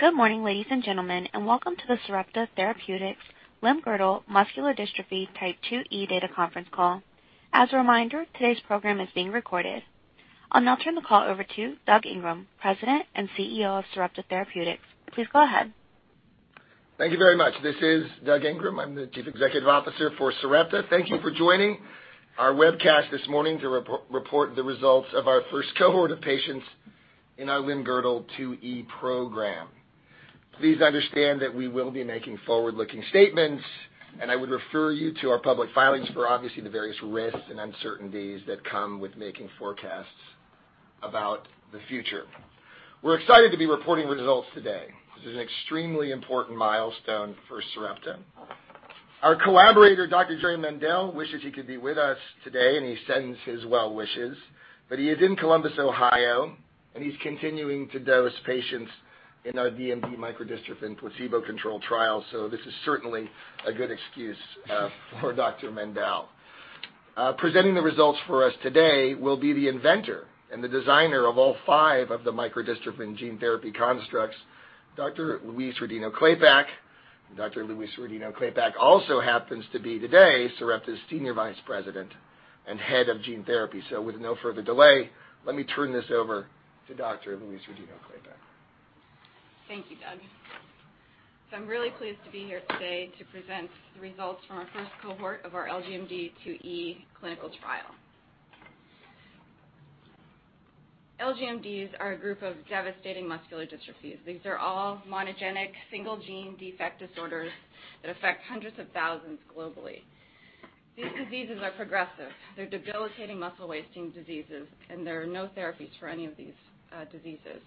Good morning, ladies and gentlemen, welcome to the Sarepta Therapeutics Limb-Girdle Muscular Dystrophy Type 2E Data Conference Call. As a reminder, today's program is being recorded. I'll now turn the call over to Doug Ingram, President and Chief Executive Officer of Sarepta Therapeutics. Please go ahead. Thank you very much. This is Doug Ingram. I'm the Chief Executive Officer for Sarepta. Thank you for joining our webcast this morning to report the results of our first cohort of patients in our Limb-Girdle 2E program. Please understand that we will be making forward-looking statements. I would refer you to our public filings for obviously the various risks and uncertainties that come with making forecasts about the future. We're excited to be reporting results today. This is an extremely important milestone for Sarepta. Our collaborator, Dr. Jerry Mendell, wishes he could be with us today, and he sends his well wishes. He is in Columbus, Ohio, and he's continuing to dose patients in our DMD microdystrophin placebo-controlled trial. This is certainly a good excuse for Dr. Mendell. Presenting the results for us today will be the inventor and the designer of all five of the microdystrophin gene therapy constructs, Dr. Louise Rodino-Klapac. Dr. Louise Rodino-Klapac also happens to be today Sarepta's Senior Vice President and Head of Gene Therapy. With no further delay, let me turn this over to Dr. Louise Rodino-Klapac. Thank you, Doug. I'm really pleased to be here today to present the results from our first cohort of our LGMD2E clinical trial. LGMDs are a group of devastating muscular dystrophies. These are all monogenic single gene defect disorders that affect hundreds of thousands globally. These diseases are progressive. They're debilitating muscle wasting diseases. There are no therapies for any of these diseases.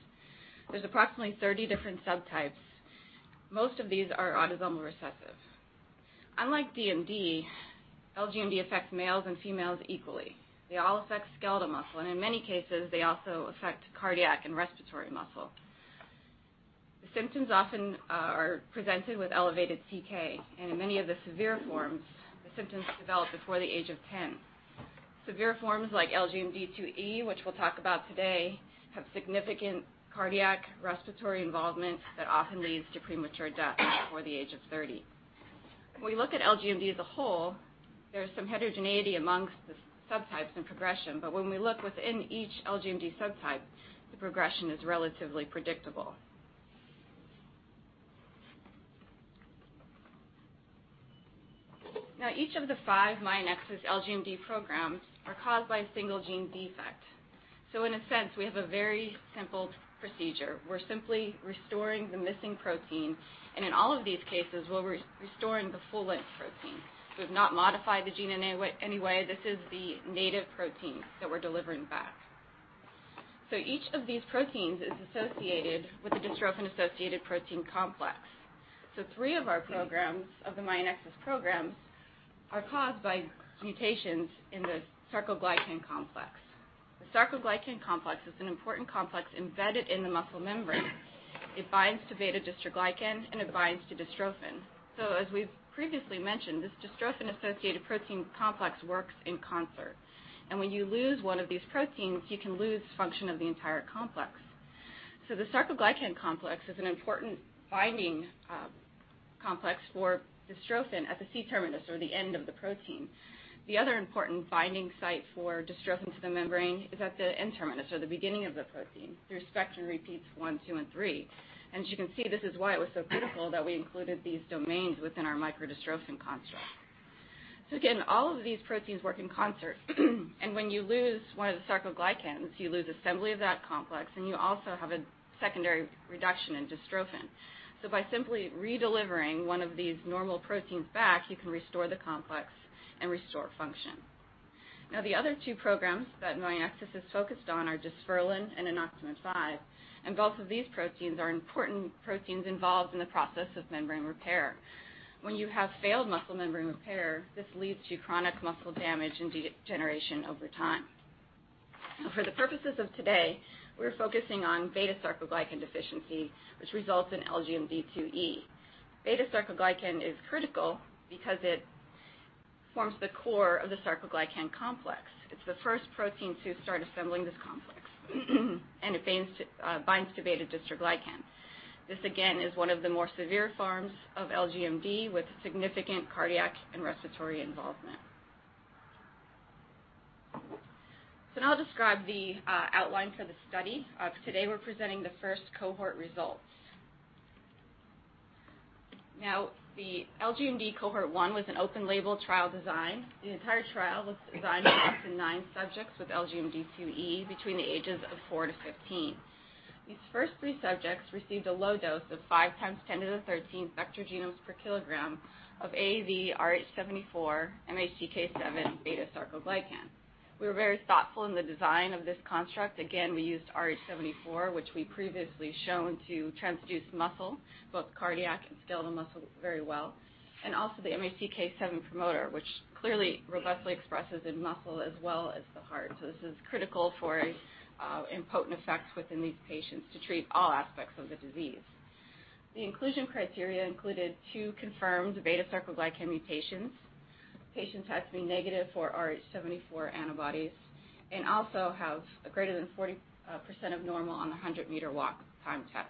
There's approximately 30 different subtypes. Most of these are autosomal recessive. Unlike DMD, LGMD affects males and females equally. They all affect skeletal muscle, and in many cases, they also affect cardiac and respiratory muscle. The symptoms often are presented with elevated CK, and in many of the severe forms, the symptoms develop before the age of 10. Severe forms like LGMD2E, which we'll talk about today, have significant cardiac respiratory involvement that often leads to premature death before the age of 30. When we look at LGMD as a whole, there's some heterogeneity amongst the subtypes and progression. When we look within each LGMD subtype, the progression is relatively predictable. Each of the five Myonexus LGMD programs are caused by a single gene defect. In a sense, we have a very simple procedure. We're simply restoring the missing protein, and in all of these cases, we'll be restoring the full-length protein. We've not modified the gene in any way. This is the native protein that we're delivering back. Each of these proteins is associated with the dystrophin-associated protein complex. Three of our programs, of the Myonexus programs, are caused by mutations in the sarcoglycan complex. The sarcoglycan complex is an important complex embedded in the muscle membrane. It binds to beta-dystroglycan, and it binds to dystrophin. As we've previously mentioned, this dystrophin-associated protein complex works in concert, and when you lose one of these proteins, you can lose function of the entire complex. The sarcoglycan complex is an important binding complex for dystrophin at the C-terminus or the end of the protein. The other important binding site for dystrophin to the membrane is at the N-terminus or the beginning of the protein through spectrin repeats 1, 2, and 3. As you can see, this is why it was so critical that we included these domains within our microdystrophin construct. Again, all of these proteins work in concert, and when you lose one of the sarcoglycans, you lose assembly of that complex, and you also have a secondary reduction in dystrophin. By simply redelivering one of these normal proteins back, you can restore the complex and restore function. The other two programs that Myonexus is focused on are dysferlin and anoctamin 5, both of these proteins are important proteins involved in the process of membrane repair. When you have failed muscle membrane repair, this leads to chronic muscle damage and degeneration over time. For the purposes of today, we're focusing on beta-sarcoglycan deficiency, which results in LGMD2E. Beta-sarcoglycan is critical because it forms the core of the sarcoglycan complex. It's the first protein to start assembling this complex. It binds to beta-dystroglycan. This, again, is one of the more severe forms of LGMD with significant cardiac and respiratory involvement. Now I'll describe the outline for the study. Today, we're presenting the first cohort results. The LGMD cohort 1 was an open-label trial design. The entire trial was designed to nine subjects with LGMD2E between the ages of 4 to 15. These first three subjects received a low dose of 5 times 10 to the 13th vector genomes per kilogram of AAVrh74 MHCK7 beta-sarcoglycan. We were very thoughtful in the design of this construct. Again, we used AAVrh74, which we previously shown to transduce muscle, both cardiac and skeletal muscle, very well. Also the MHCK7 promoter, which clearly, robustly expresses in muscle as well as the heart. This is critical for potent effects within these patients to treat all aspects of the disease. The inclusion criteria included two confirmed beta-sarcoglycan mutations. Patients had to be negative for RH74 antibodies. Also have a greater than 40%, of normal on the 100-meter walk time test.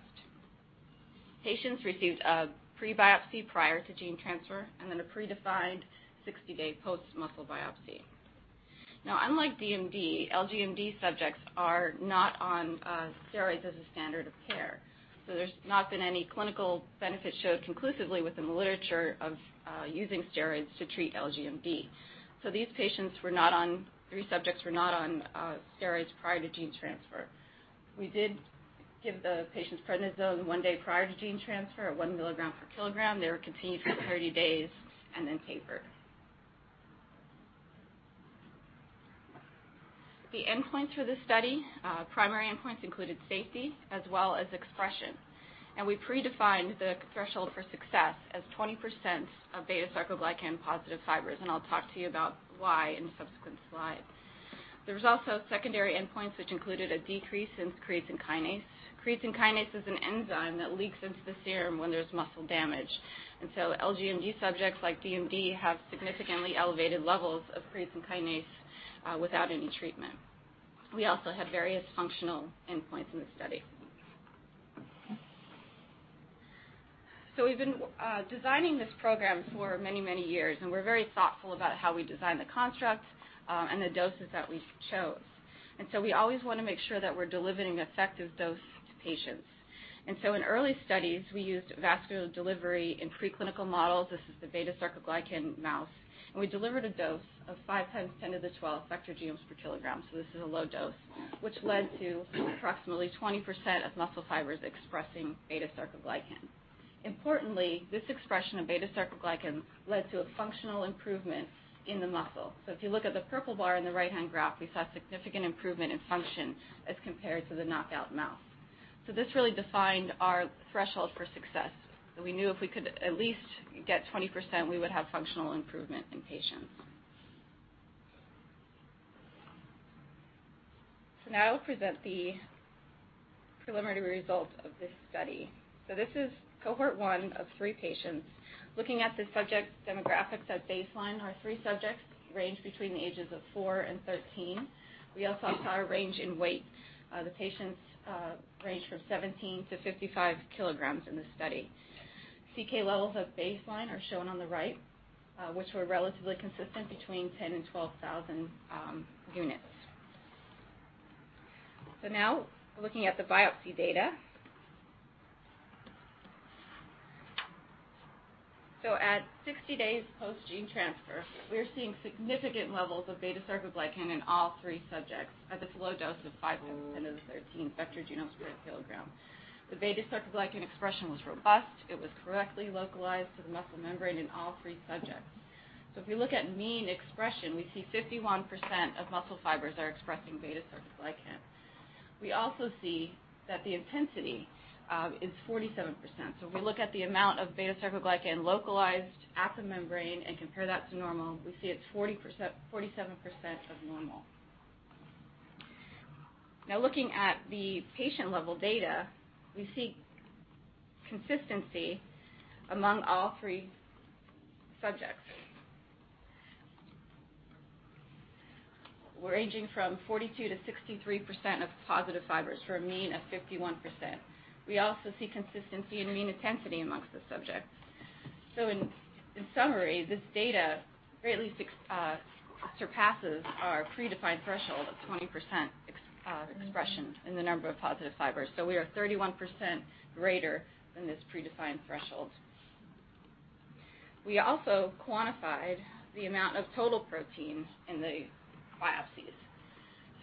Patients received a pre-biopsy prior to gene transfer, then a predefined 60-day post muscle biopsy. Unlike DMD, LGMD subjects are not on steroids as a standard of care. There's not been any clinical benefit showed conclusively within the literature of using steroids to treat LGMD. These three subjects were not on steroids prior to gene transfer. We did give the patients prednisone one day prior to gene transfer at one milligram per kilogram. They were continued for 30 days and then tapered. The endpoints for this study, primary endpoints included safety as well as expression. We predefined the threshold for success as 20%, of beta sarcoglycan positive fibers, and I'll talk to you about why in subsequent slides. There was also secondary endpoints, which included a decrease in creatine kinase. Creatine kinase is an enzyme that leaks into the serum when there's muscle damage. LGMD subjects, like DMD, have significantly elevated levels of creatine kinase without any treatment. We also had various functional endpoints in the study. We've been designing this program for many, many years, and we're very thoughtful about how we design the construct and the doses that we chose. We always want to make sure that we're delivering effective dose to patients. In early studies, we used vascular delivery in preclinical models. This is the beta sarcoglycan mouse. We delivered a dose of 5 times 10 to the 12 vector genomes per kilogram, this is a low dose, which led to approximately 20%, of muscle fibers expressing beta sarcoglycan. Importantly, this expression of beta sarcoglycan led to a functional improvement in the muscle. If you look at the purple bar in the right-hand graph, we saw significant improvement in function as compared to the knockout mouse. This really defined our threshold for success. We knew if we could at least get 20%, we would have functional improvement in patients. Now I'll present the preliminary results of this study. This is cohort one of three patients. Looking at the subject demographics at baseline, our three subjects range between the ages of four and 13. We also saw a range in weight. The patients range from 17 to 55 kilograms in the study. CK levels of baseline are shown on the right, which were relatively consistent between 10,000 and 12,000 units. Now looking at the biopsy data. At 60 days post gene transfer, we are seeing significant levels of beta sarcoglycan in all three subjects at this low dose of 5 times 10 to the 13 vector genomes per kilogram. The beta sarcoglycan expression was robust. It was correctly localized to the muscle membrane in all three subjects. If we look at mean expression, we see 51%, of muscle fibers are expressing beta sarcoglycan. We also see that the intensity is 47%. If we look at the amount of beta sarcoglycan localized at the membrane and compare that to normal, we see it's 47%, of normal. Now looking at the patient-level data, we see consistency among all three subjects. We're ranging from 42%-63%, of positive fibers for a mean of 51%. We also see consistency in mean intensity amongst the subjects. In summary, this data greatly surpasses our predefined threshold of 20%, expression in the number of positive fibers. We are 31%, greater than this predefined threshold. We also quantified the amount of total protein in the biopsies.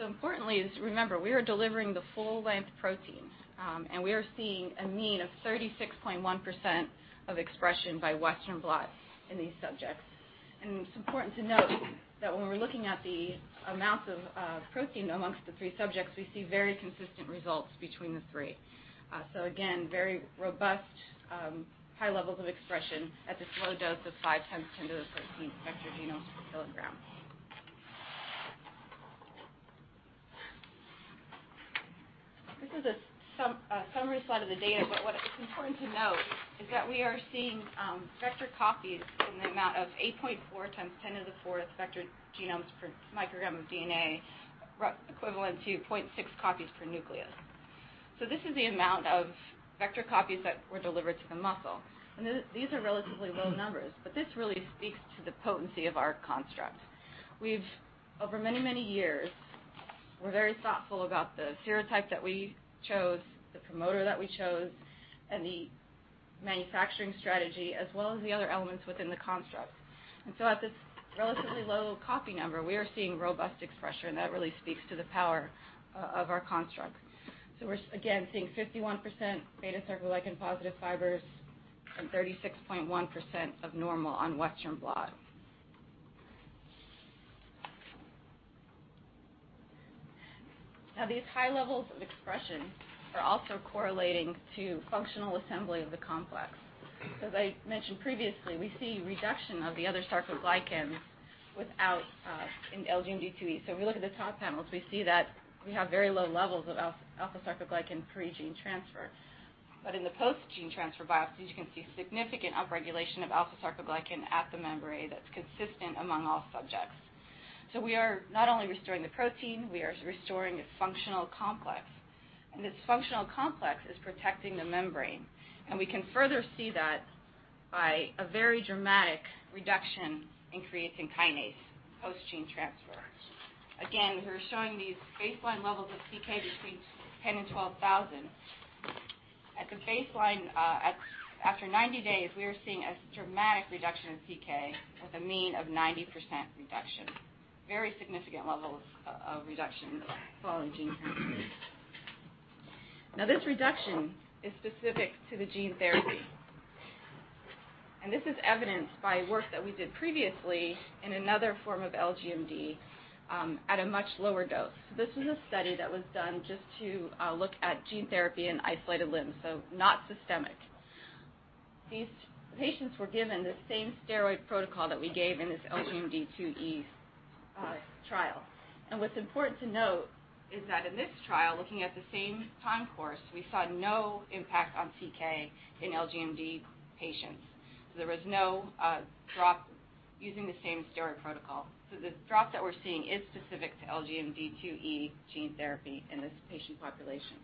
Importantly is, remember, we are delivering the full-length protein, and we are seeing a mean of 36.1%, of expression by Western blot in these subjects. It's important to note that when we're looking at the amounts of protein amongst the three subjects, we see very consistent results between the three. Again, very robust high levels of expression at this low dose of 5 x 10^13 vector genomes per kilogram. This is a summary slide of the data. What is important to note is that we are seeing vector copies in the amount of 8.4 x 10^4 vector genomes per microgram of DNA, equivalent to 0.6 copies per nucleus. This is the amount of vector copies that were delivered to the muscle. These are relatively low numbers, but this really speaks to the potency of our construct. Over many, many years, we're very thoughtful about the serotype that we chose, the promoter that we chose, and the manufacturing strategy, as well as the other elements within the construct. At this relatively low copy number, we are seeing robust expression. That really speaks to the power of our construct. We're, again, seeing 51%, beta-sarcoglycan positive fibers and 36.1%, of normal on Western blot. These high levels of expression are also correlating to functional assembly of the complex. As I mentioned previously, we see reduction of the other sarcoglycans without an LGMD2E. When we look at the top panels, we see that we have very low levels of alpha-sarcoglycan pre-gene transfer. In the post-gene transfer biopsies, you can see significant upregulation of alpha-sarcoglycan at the membrane that's consistent among all subjects. We are not only restoring the protein, we are restoring its functional complex. This functional complex is protecting the membrane. We can further see that by a very dramatic reduction in creatine kinase post-gene transfer. Again, we're showing these baseline levels of CK between 10,000 and 12,000. At the baseline, after 90 days, we are seeing a dramatic reduction in CK with a mean of 90%, reduction. Very significant levels of reduction following gene transfer. This reduction is specific to the gene therapy, and this is evidenced by work that we did previously in another form of LGMD at a much lower dose. This was a study that was done just to look at gene therapy in isolated limbs, so not systemic. These patients were given the same steroid protocol that we gave in this LGMD2E trial. What's important to note is that in this trial, looking at the same time course, we saw no impact on CK in LGMD patients. There was no drop using the same steroid protocol. The drop that we're seeing is specific to LGMD2E gene therapy in this patient population.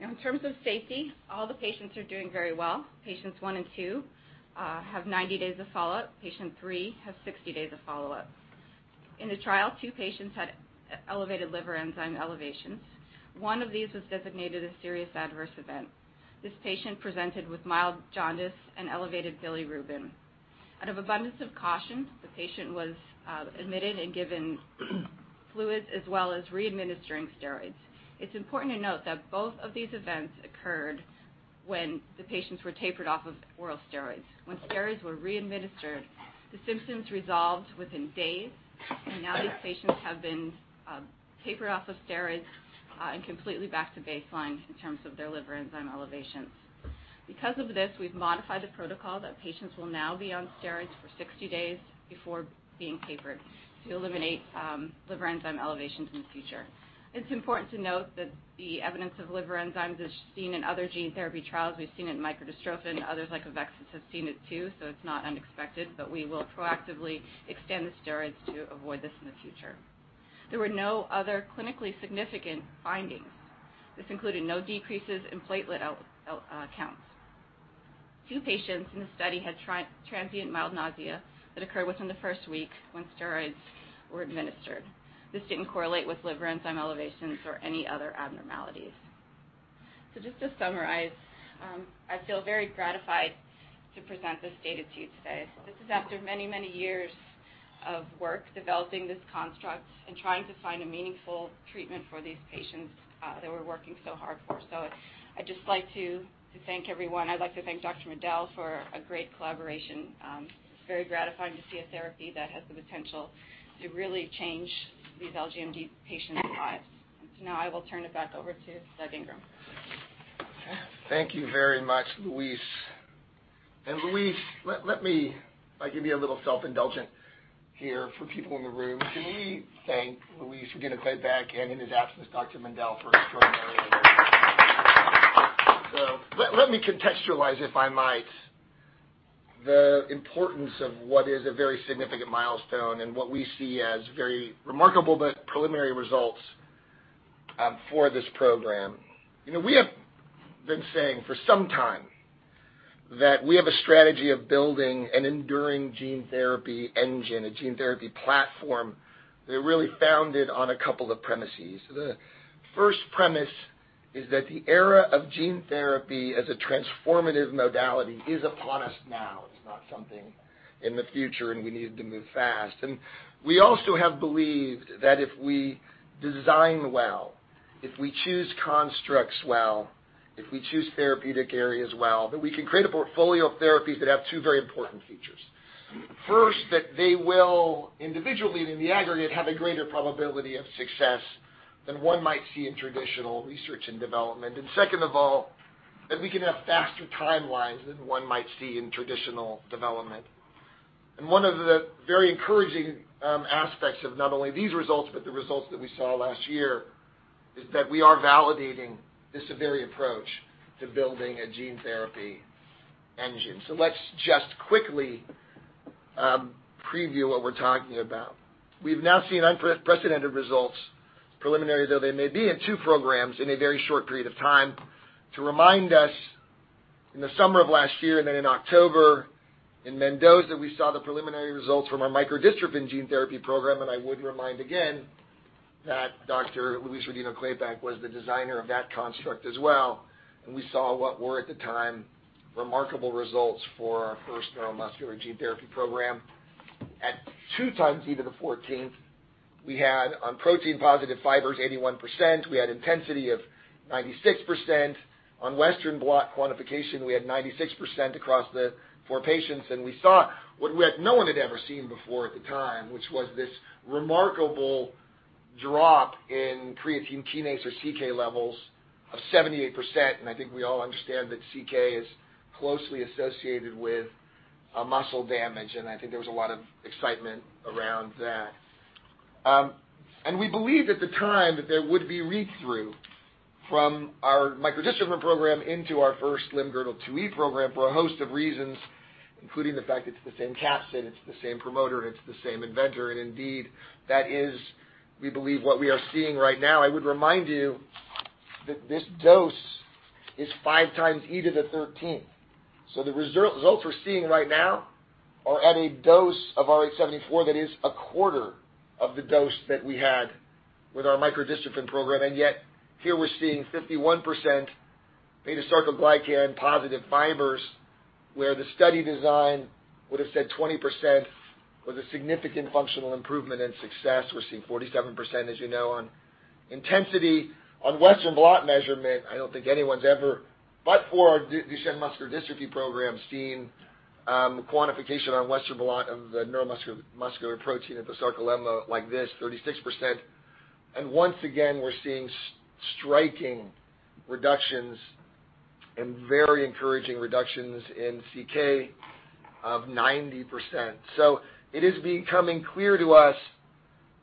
In terms of safety, all the patients are doing very well. Patients one and two have 90 days of follow-up. Patient three has 60 days of follow-up. In the trial, two patients had elevated liver enzyme elevations. One of these was designated a serious adverse event. This patient presented with mild jaundice and elevated bilirubin. Out of abundance of caution, the patient was admitted and given fluids as well as re-administering steroids. It's important to note that both of these events occurred when the patients were tapered off of oral steroids. When steroids were re-administered, the symptoms resolved within days, and now these patients have been tapered off of steroids and completely back to baseline in terms of their liver enzyme elevations. Because of this, we've modified the protocol that patients will now be on steroids for 60 days before being tapered to eliminate liver enzyme elevations in the future. It's important to note that the evidence of liver enzymes is seen in other gene therapy trials. We've seen it in microdystrophin. Others like AveXis have seen it too, so it's not unexpected, but we will proactively extend the steroids to avoid this in the future. There were no other clinically significant findings. This included no decreases in platelet counts. Two patients in the study had transient mild nausea that occurred within the first week when steroids were administered. This didn't correlate with liver enzyme elevations or any other abnormalities. Just to summarize, I feel very gratified to present this data to you today. This is after many, many years of work developing this construct and trying to find a meaningful treatment for these patients that we're working so hard for. I'd just like to thank everyone. I'd like to thank Dr. Mendell for a great collaboration. It's very gratifying to see a therapy that has the potential to really change these LGMD patients' lives. Now I will turn it back over to Doug Ingram. Thank you very much, Louise. Louise, let me give you a little self-indulgent here for people in the room. Can we thank Louise Rodino-Klapac, and in his absence, Dr. Mendell, for joining me here? Let me contextualize, if I might, the importance of what is a very significant milestone and what we see as very remarkable but preliminary results for this program. We have been saying for some time that we have a strategy of building an enduring gene therapy engine, a gene therapy platform, that really founded on a couple of premises. The first premise is that the era of gene therapy as a transformative modality is upon us now. It's not something in the future, and we need to move fast. We also have believed that if we design well, if we choose constructs well, if we choose therapeutic areas well, that we can create a portfolio of therapies that have two very important features. First, that they will individually and in the aggregate, have a greater probability of success than one might see in traditional research and development. Second of all, that we can have faster timelines than one might see in traditional development. One of the very encouraging aspects of not only these results, but the results that we saw last year, is that we are validating the Severi approach to building a gene therapy engine. Let's just quickly preview what we're talking about. We've now seen unprecedented results, preliminary though they may be, in two programs in a very short period of time. To remind us, in the summer of last year, then in October in Mendoza, we saw the preliminary results from our microdystrophin gene therapy program. I would remind again that Dr. Louise Rodino-Klapac was the designer of that construct as well. We saw what were at the time remarkable results for our first neuromuscular gene therapy program. At 2 times E to the 14th, we had on protein positive fibers, 81%. We had intensity of 96%. On Western blot quantification, we had 96%, across the four patients. We saw what no one had ever seen before at the time, which was this remarkable drop in creatine kinase, or CK, levels of 78%. I think we all understand that CK is closely associated with muscle damage, I think there was a lot of excitement around that. We believed at the time that there would be read-through from our microdystrophin program into our first limb-girdle 2E program for a host of reasons, including the fact it's the same capsid, it's the same promoter, it's the same inventor. Indeed, that is, we believe, what we are seeing right now. I would remind you that this dose is 5 times E to the 13th. The results we're seeing right now are at a dose of RH74 that is a quarter of the dose that we had with our microdystrophin program. Yet here we're seeing 51%, beta-sarcoglycan-positive fibers where the study design would've said 20%, was a significant functional improvement and success. We're seeing 47%, as you know, on intensity. On Western blot measurement, I don't think anyone's ever, but for Duchenne Muscular Dystrophy programs, seen quantification on Western blot of the neuromuscular protein at the sarcolemma like this, 36%. Once again, we're seeing striking reductions and very encouraging reductions in CK of 90%. It is becoming clear to us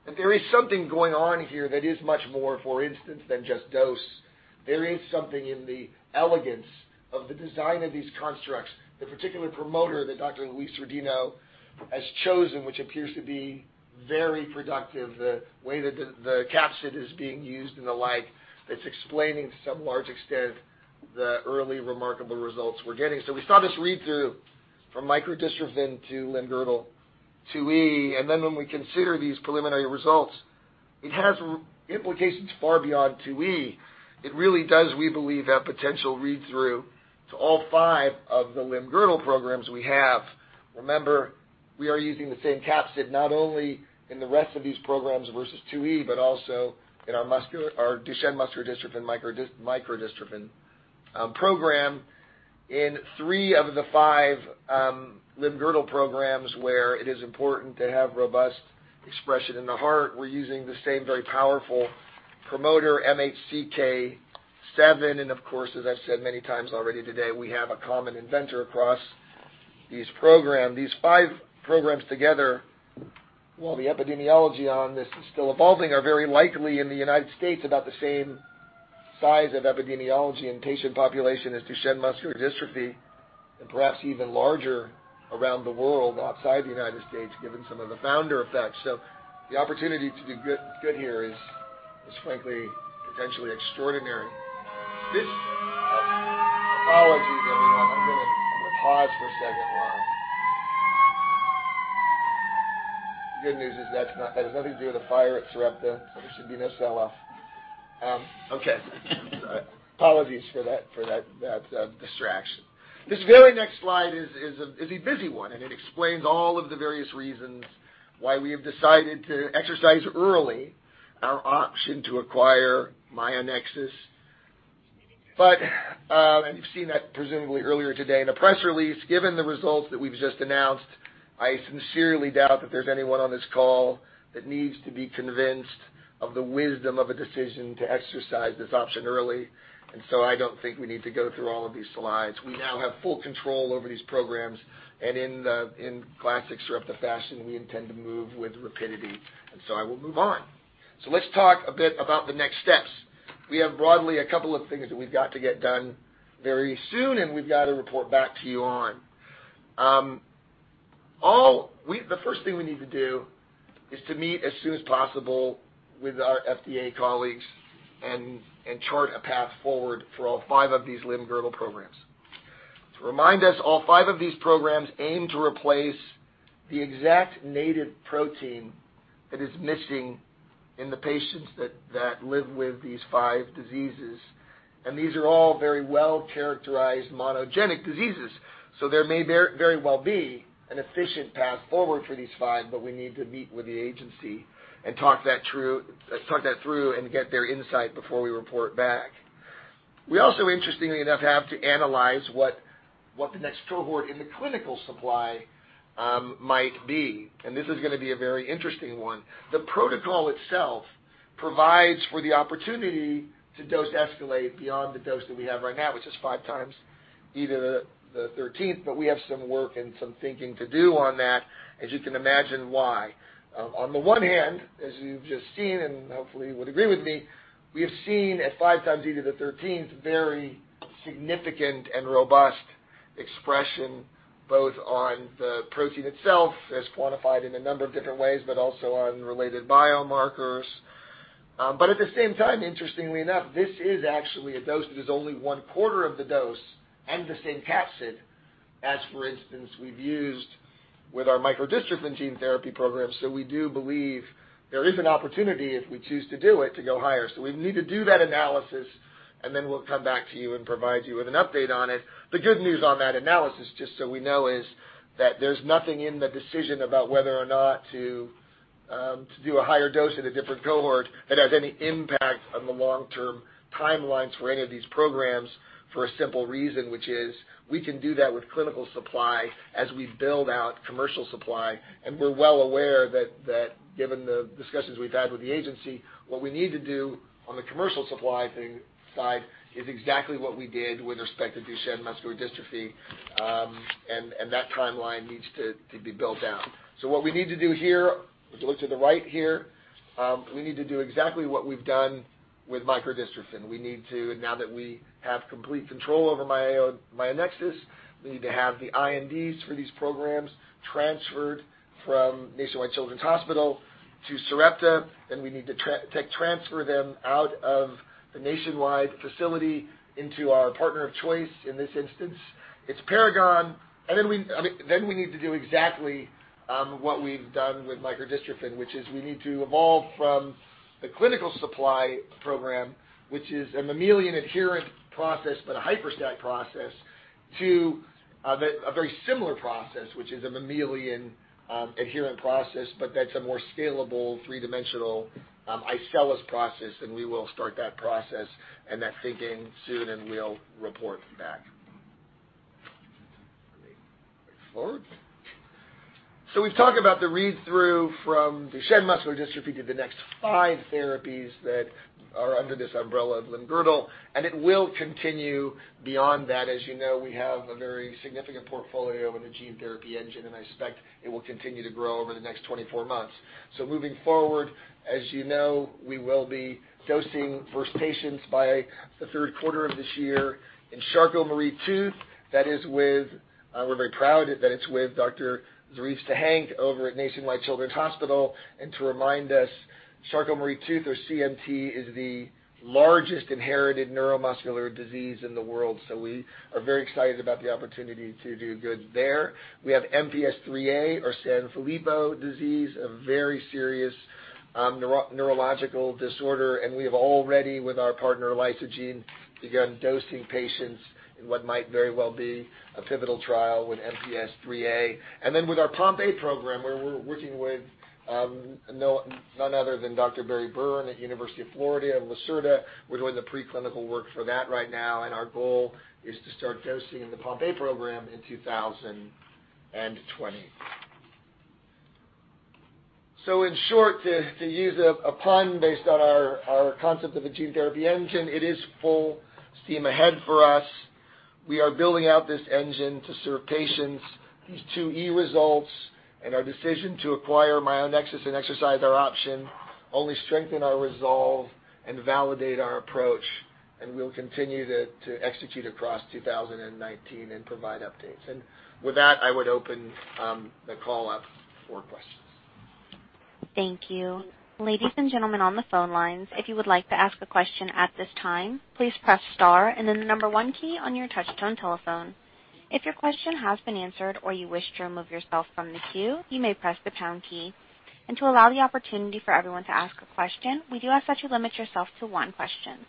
that there is something going on here that is much more, for instance, than just dose. There is something in the elegance of the design of these constructs, the particular promote r that Dr. Louise Rodino has chosen, which appears to be very productive, the way that the capsid is being used and the like, that's explaining to some large extent the early remarkable results we're getting. We saw this read-through from microdystrophin to limb-girdle 2E, then when we consider these preliminary results, it has implications far beyond 2E. It really does, we believe, have potential read-through to all five of the limb-girdle programs we have. Remember, we are using the same capsid not only in the rest of these programs versus LGMD2E, but also in our Duchenne Muscular Dystrophy and Microdystrophin program. In three of the five limb-girdle programs where it is important to have robust expression in the heart, we're using the same very powerful promoter, MHCK7. Of course, as I've said many times already today, we have a common inventor across these programs. These five programs together, while the epidemiology on this is still evolving, are very likely in the U.S. about the same size of epidemiology and patient population as Duchenne Muscular Dystrophy, and perhaps even larger around the world outside the U.S., given some of the founder effects. The opportunity to do good here is frankly potentially extraordinary. Apologies, everyone. I'm going to pause for a second while The good news is that has nothing to do with a fire at Sarepta. There should be no sell-off. Okay. Apologies for that distraction. This very next slide is a busy one, it explains all of the various reasons why we have decided to exercise early our option to acquire Myonexus. You've seen that presumably earlier today in a press release, given the results that we've just announced, I sincerely doubt that there's anyone on this call that needs to be convinced of the wisdom of a decision to exercise this option early. I don't think we need to go through all of these slides. We now have full control over these programs, in classic Sarepta fashion, we intend to move with rapidity, I will move on. Let's talk a bit about the next steps. We have broadly a couple of things that we've got to get done very soon and we've got to report back to you on. The first thing we need to do is to meet as soon as possible with our FDA colleagues and chart a path forward for all five of these limb-girdle programs. To remind us, all five of these programs aim to replace the exact native protein that is missing in the patients that live with these five diseases. These are all very well-characterized monogenic diseases. There may very well be an efficient path forward for these five, but we need to meet with the agency and talk that through and get their insight before we report back. We also, interestingly enough, have to analyze what the next cohort in the clinical supply might be, this is going to be a very interesting one. The protocol itself provides for the opportunity to dose escalate beyond the dose that we have right now, which is 5 times E to the 13th, we have some work and some thinking to do on that, as you can imagine why. On the one hand, as you've just seen, hopefully would agree with me, we have seen at 5 times E to the 13th very significant and robust expression, both on the protein itself as quantified in a number of different ways, also on related biomarkers. At the same time, interestingly enough, this is actually a dose that is only one-quarter of the dose and the same capsid as, for instance, we've used with our microdystrophin gene therapy program. We do believe there is an opportunity, if we choose to do it, to go higher. We need to do that analysis, and then we'll come back to you and provide you with an update on it. The good news on that analysis, just so we know, is that there's nothing in the decision about whether or not to do a higher dose in a different cohort that has any impact on the long-term timelines for any of these programs, for a simple reason, which is we can do that with clinical supply as we build out commercial supply. We're well aware that given the discussions we've had with the agency, what we need to do on the commercial supply side is exactly what we did with respect to Duchenne Muscular Dystrophy, and that timeline needs to be built out. What we need to do here. If you look to the right here, we need to do exactly what we've done with microdystrophin. Now that we have complete control over Myonexus, we need to have the INDs for these programs transferred from Nationwide Children's Hospital to Sarepta, and we need to transfer them out of the nationwide facility into our partner of choice. In this instance, it's Paragon. We need to do exactly what we've done with microdystrophin, which is we need to evolve from the clinical supply program, which is a mammalian adherent process, but a HYPERStack process, to a very similar process, which is a mammalian adherent process, but that's a more scalable three-dimensional iCELLis process. We will start that process and that thinking soon. We'll report back. Great. Move forward. We've talked about the read-through from Duchenne Muscular Dystrophy to the next five therapies that are under this umbrella of limb girdle, and it will continue beyond that. As you know, we have a very significant portfolio in the gene therapy engine. I expect it will continue to grow over the next 24 months. Moving forward, as you know, we will be dosing first patients by the third quarter of this year in Charcot-Marie-Tooth. We're very proud that it's with Dr. Zarife Sahenk over at Nationwide Children's Hospital. To remind us, Charcot-Marie-Tooth, or CMT, is the largest inherited neuromuscular disease in the world. We are very excited about the opportunity to do good there. We have MPS IIIA, or Sanfilippo disease, a very serious neurological disorder. We have already, with our partner Lysogene, begun dosing patients in what might very well be a pivotal trial with MPS IIIA. With our Pompe A program, where we're working with none other than Dr. Barry Byrne at University of Florida and Lacerta. We're doing the preclinical work for that right now. Our goal is to start dosing in the Pompe A program in 2020. In short, to use a pun based on our concept of a gene therapy engine, it is full steam ahead for us. We are building out this engine to serve patients. These 2E results and our decision to acquire Myonexus and exercise our option only strengthen our resolve and validate our approach. We'll continue to execute across 2019 and provide updates. With that, I would open the call up for questions. Thank you. Ladies and gentlemen on the phone lines, if you would like to ask a question at this time, please press star and then the number 1 key on your touchtone telephone. If your question has been answered or you wish to remove yourself from the queue, you may press the pound key. To allow the opportunity for everyone to ask a question, we do ask that you limit yourself to one question.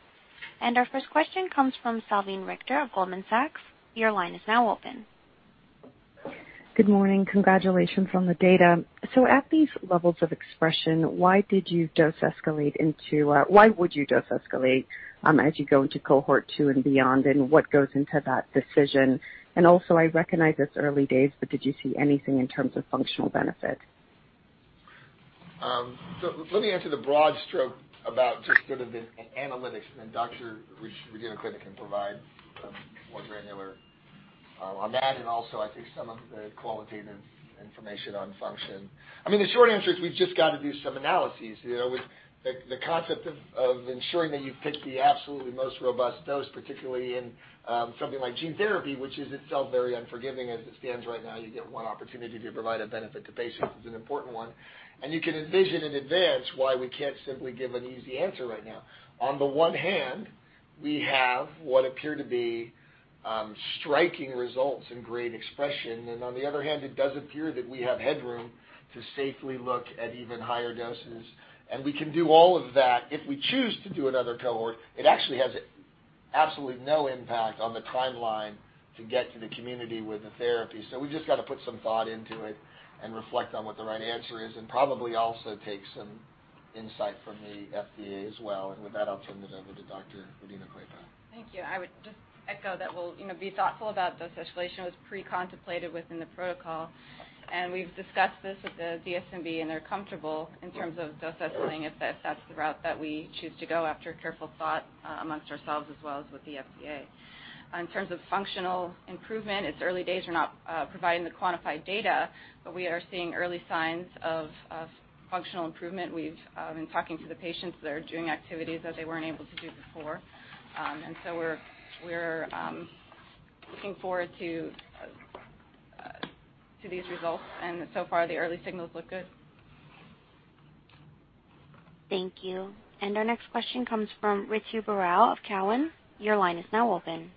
Our first question comes from Salveen Richter of Goldman Sachs. Your line is now open. Good morning. Congratulations on the data. At these levels of expression, why would you dose escalate as you go into cohort 2 and beyond, and what goes into that decision? Also, I recognize it's early days, but did you see anything in terms of functional benefit? Let me answer the broad stroke about just sort of the analytics, and then Dr. Louise Rodino-Klapac can provide more granular on that and also I think some of the qualitative information on function. The short answer is we've just got to do some analyses. With the concept of ensuring that you've picked the absolutely most robust dose, particularly in something like gene therapy, which is itself very unforgiving as it stands right now, you get one opportunity to provide a benefit to patients. It's an important one. You can envision in advance why we can't simply give an easy answer right now. On the one hand, we have what appear to be striking results and great expression, and on the other hand, it does appear that we have headroom to safely look at even higher doses, and we can do all of that. If we choose to do another cohort, it actually has absolutely no impact on the timeline to get to the community with the therapy. We've just got to put some thought into it and reflect on what the right answer is and probably also take some insight from the FDA as well. With that, I'll turn it over to Dr. Rodino-Klapac. Thank you. I would just echo that we'll be thoughtful about dose escalation. It was pre-contemplated within the protocol. We've discussed this with the DSMB, and they're comfortable in terms of dose escalating if that's the route that we choose to go after careful thought amongst ourselves as well as with the FDA. In terms of functional improvement, it's early days. We're not providing the quantified data, but we are seeing early signs of functional improvement. We've been talking to the patients that are doing activities that they weren't able to do before. We're looking forward to these results, and so far, the early signals look good. Thank you. Our next question comes from Ritu Baral of Cowen. Your line is now open.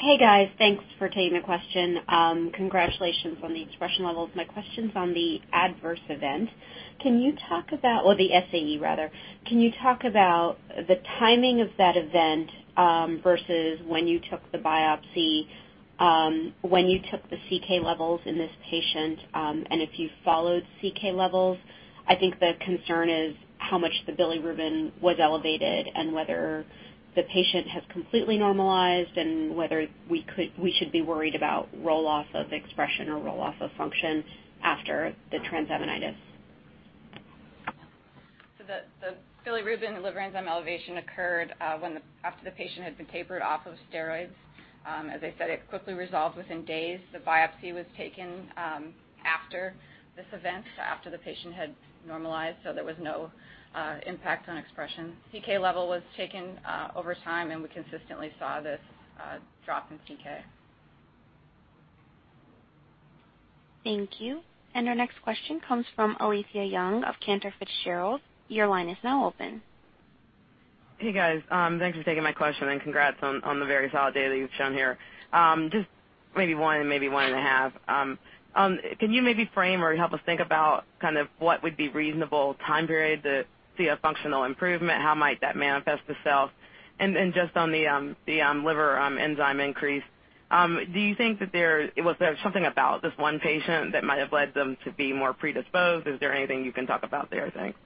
Hey, guys. Thanks for taking the question. Congratulations on the expression levels. My question's on the adverse event, or the SAE rather. Can you talk about the timing of that event versus when you took the biopsy, when you took the CK levels in this patient, and if you followed CK levels? I think the concern is how much the bilirubin was elevated and whether the patient has completely normalized, and whether we should be worried about roll-off of expression or roll-off of function after the transaminitis. The bilirubin liver enzyme elevation occurred after the patient had been tapered off of steroids. As I said, it quickly resolved within days. The biopsy was taken after this event, so after the patient had normalized, so there was no impact on expression. CK level was taken over time, and we consistently saw this drop in CK. Thank you. Our next question comes from Alethia Young of Cantor Fitzgerald. Your line is now open. Hey, guys. Thanks for taking my question, and congrats on the very solid data you've shown here. Just maybe one and maybe one and a half. Can you maybe frame or help us think about what would be reasonable time period to see a functional improvement? How might that manifest itself? Just on the liver enzyme increase, do you think that there was something about this 1 patient that might have led them to be more predisposed? Is there anything you can talk about there, thanks.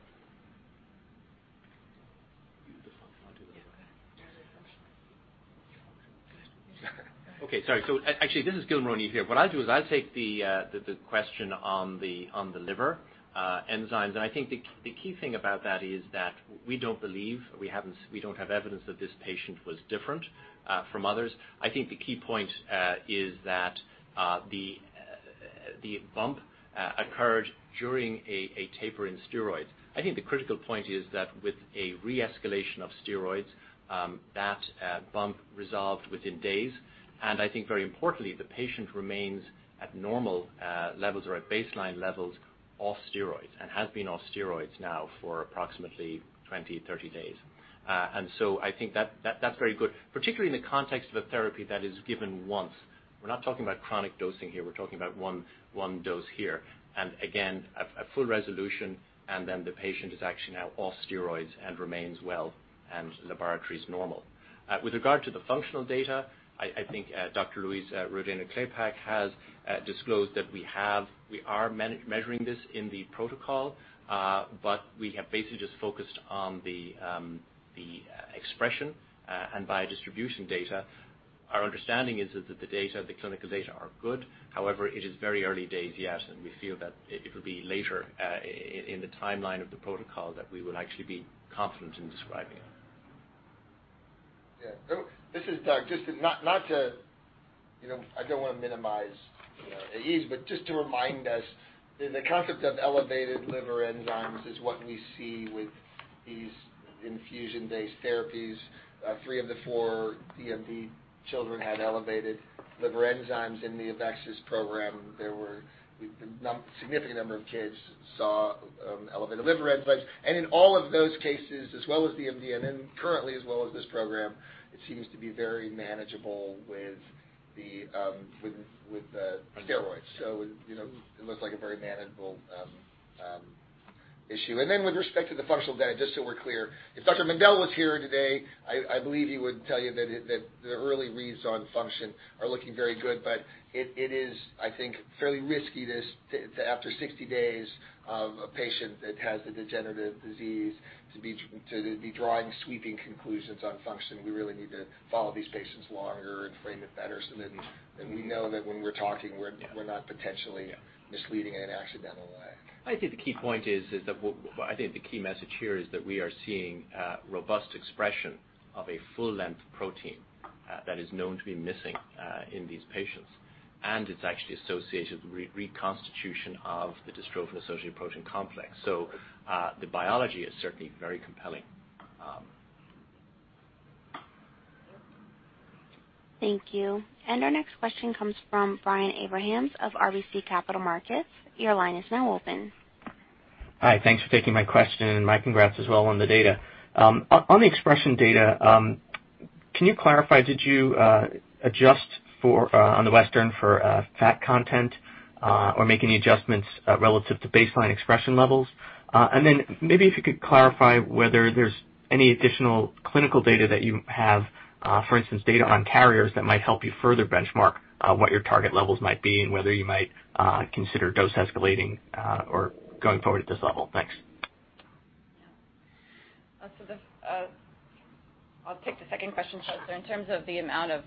Okay, sorry. Actually, this is Gil Ron here. What I'll do is I'll take the question on the liver enzymes. I think the key thing about that is that we don't believe, we don't have evidence that this patient was different from others. I think the key point is that the bump occurred during a taper in steroids. I think the critical point is that with a re-escalation of steroids, that bump resolved within days. I think very importantly, the patient remains at normal levels or at baseline levels off steroids and has been off steroids now for approximately 20, 30 days. I think that's very good, particularly in the context of a therapy that is given once. We're not talking about chronic dosing here. We're talking about one dose here. A full resolution, and then the patient is actually now off steroids and remains well, and laboratory's normal. With regard to the functional data, I think Dr. Louise Rodino-Klapac has disclosed that we are measuring this in the protocol, but we have basically just focused on the expression and by distribution data. Our understanding is that the data, the clinical data, are good. However, it is very early days yet, and we feel that it will be later in the timeline of the protocol that we will actually be confident in describing it. This is Doug. I don't want to minimize AE, but just to remind us, the concept of elevated liver enzymes is what we see with these infusion-based therapies. Three of the four DMD children had elevated liver enzymes in the AveXis program. A significant number of kids saw elevated liver enzymes. In all of those cases, as well as DMD, currently as well as this program, it seems to be very manageable with steroids. It looks like a very manageable issue. With respect to the functional data, just so we're clear, if Dr. Mendell was here today, I believe he would tell you that the early reads on function are looking very good. It is, I think, fairly risky to, after 60 days of a patient that has a degenerative disease, to be drawing sweeping conclusions on function. We really need to follow these patients longer and frame it better so that we know that when we're talking, we're not potentially misleading in an accidental way. I think the key message here is that we are seeing robust expression of a full-length protein that is known to be missing in these patients, and it's actually associated with reconstitution of the dystrophin-associated protein complex. The biology is certainly very compelling. Thank you. Our next question comes from Brian Abrahams of RBC Capital Markets. Your line is now open. Hi. Thanks for taking my question, and my congrats as well on the data. On the expression data, can you clarify, did you adjust on the Western for fat content or make any adjustments relative to baseline expression levels? Then maybe if you could clarify whether there's any additional clinical data that you have, for instance, data on carriers that might help you further benchmark what your target levels might be and whether you might consider dose escalating or going forward at this level. Thanks. I'll take the second question.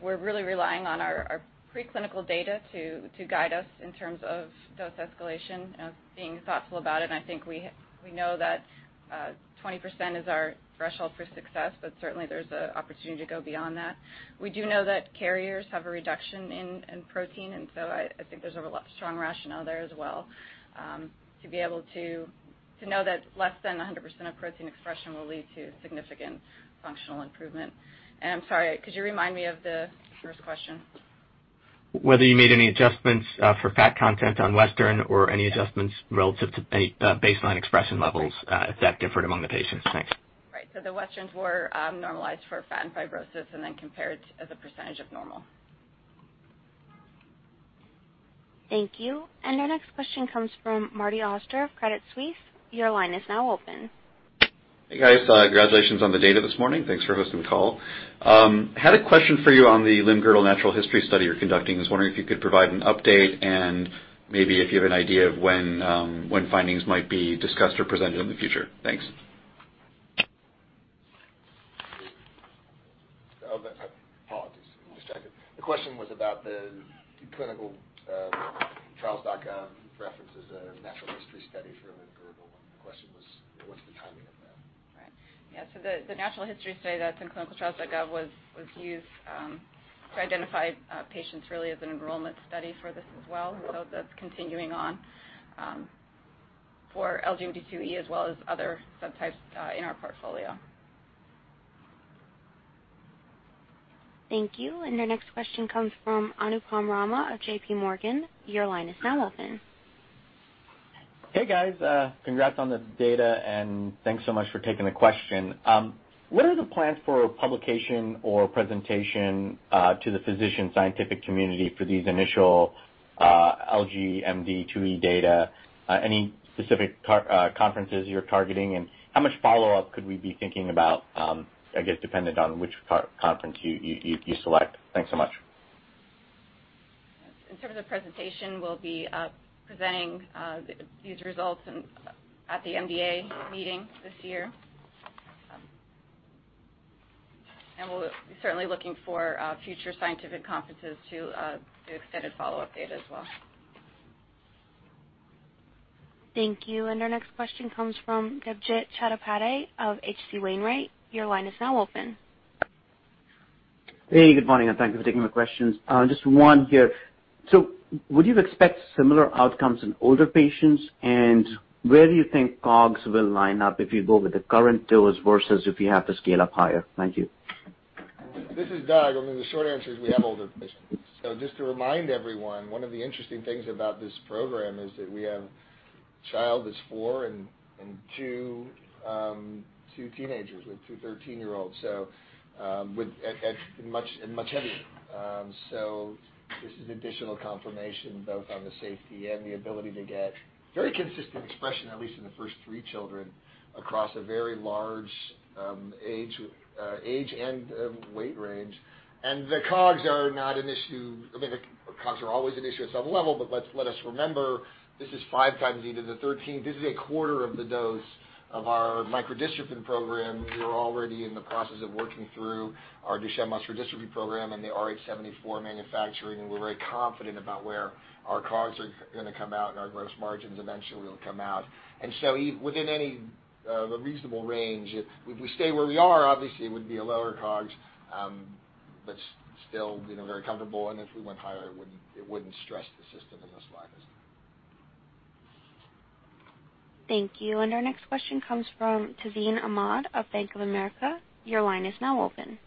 We're really relying on our preclinical data to guide us in terms of dose escalation, being thoughtful about it. I think we know that 20%, is our threshold for success, but certainly, there's an opportunity to go beyond that. We do know that carriers have a reduction in protein, so I think there's a strong rationale there as well to be able to know that less than 100%, of protein expression will lead to significant functional improvement. I'm sorry, could you remind me of the first question? Whether you made any adjustments for fat content on Western or any adjustments relative to any baseline expression levels if that differed among the patients. Thanks. Right. The Westerns were normalized for fat and fibrosis and then compared as a percentage of normal. Thank you. Our next question comes from Marty Auster of Credit Suisse. Your line is now open. Hey, guys. Congratulations on the data this morning. Thanks for hosting the call. Had a question for you on the limb-girdle natural history study you're conducting. I was wondering if you could provide an update and maybe if you have an idea of when findings might be discussed or presented in the future. Thanks. Of that type. Apologies. Distracted. The question was about the clinicaltrials.gov references of natural history studies for limb-girdle. The question was what's the timing of that? Right. Yeah. The natural history study that's in clinicaltrials.gov was used to identify patients really as an enrollment study for this as well. That's continuing on for LGMD2E as well as other subtypes in our portfolio. Thank you. Your next question comes from Anupam Rama of JPMorgan. Your line is now open. Hey, guys. Congrats on the data, thanks so much for taking the question. What are the plans for publication or presentation to the physician scientific community for these initial LGMD2E data? Any specific conferences you're targeting, how much follow-up could we be thinking about, I guess, dependent on which conference you select? Thanks so much. In terms of presentation, we'll be presenting these results at the MDA meeting this year. We'll certainly be looking for future scientific conferences to do extended follow-up data as well. Thank you. Our next question comes from Debjit Chattopadhyay of H.C. Wainwright. Your line is now open. Hey, good morning, thank you for taking my questions. Just one here. Would you expect similar outcomes in older patients? Where do you think COGS will line up if you go with the current dose versus if you have to scale up higher? Thank you. This is Doug. I mean, the short answer is we have older patients. Just to remind everyone, one of the interesting things about this program is that we have a child that's 4 and two teenagers with two 13-year-olds, and much heavier. This is additional confirmation both on the safety and the ability to get very consistent expression, at least in the first three children, across a very large age and weight range. The COGS are not an issue. I mean, the COGS are always an issue at some level, but let us remember, this is 5 times E to the 13. This is a quarter of the dose of our microdystrophin program. We're already in the process of working through our Duchenne Muscular Dystrophy program and the RH74 manufacturing, and we're very confident about where our COGS are going to come out and our gross margins eventually will come out. Within any reasonable range, if we stay where we are, obviously, it would be a lower COGS, but still very comfortable. If we went higher, it wouldn't stress the system in the slightest. Thank you. Our next question comes from Tazeen Ahmad of Bank of America. Your line is now open.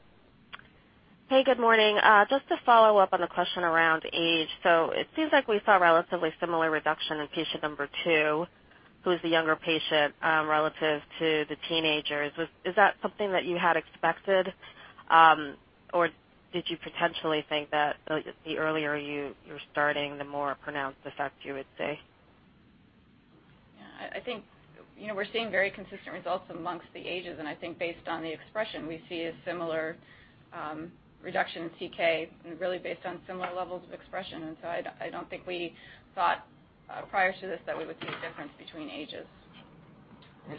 Hey, good morning. Just to follow up on the question around age. It seems like we saw a relatively similar reduction in patient number 2, who is the younger patient, relative to the teenagers. Is that something that you had expected? Did you potentially think that the earlier you're starting, the more pronounced effect you would see? Yeah, I think we're seeing very consistent results amongst the ages. I think based on the expression, we see a similar reduction in CK. Really based on similar levels of expression, I don't think we thought prior to this that we would see a difference between ages.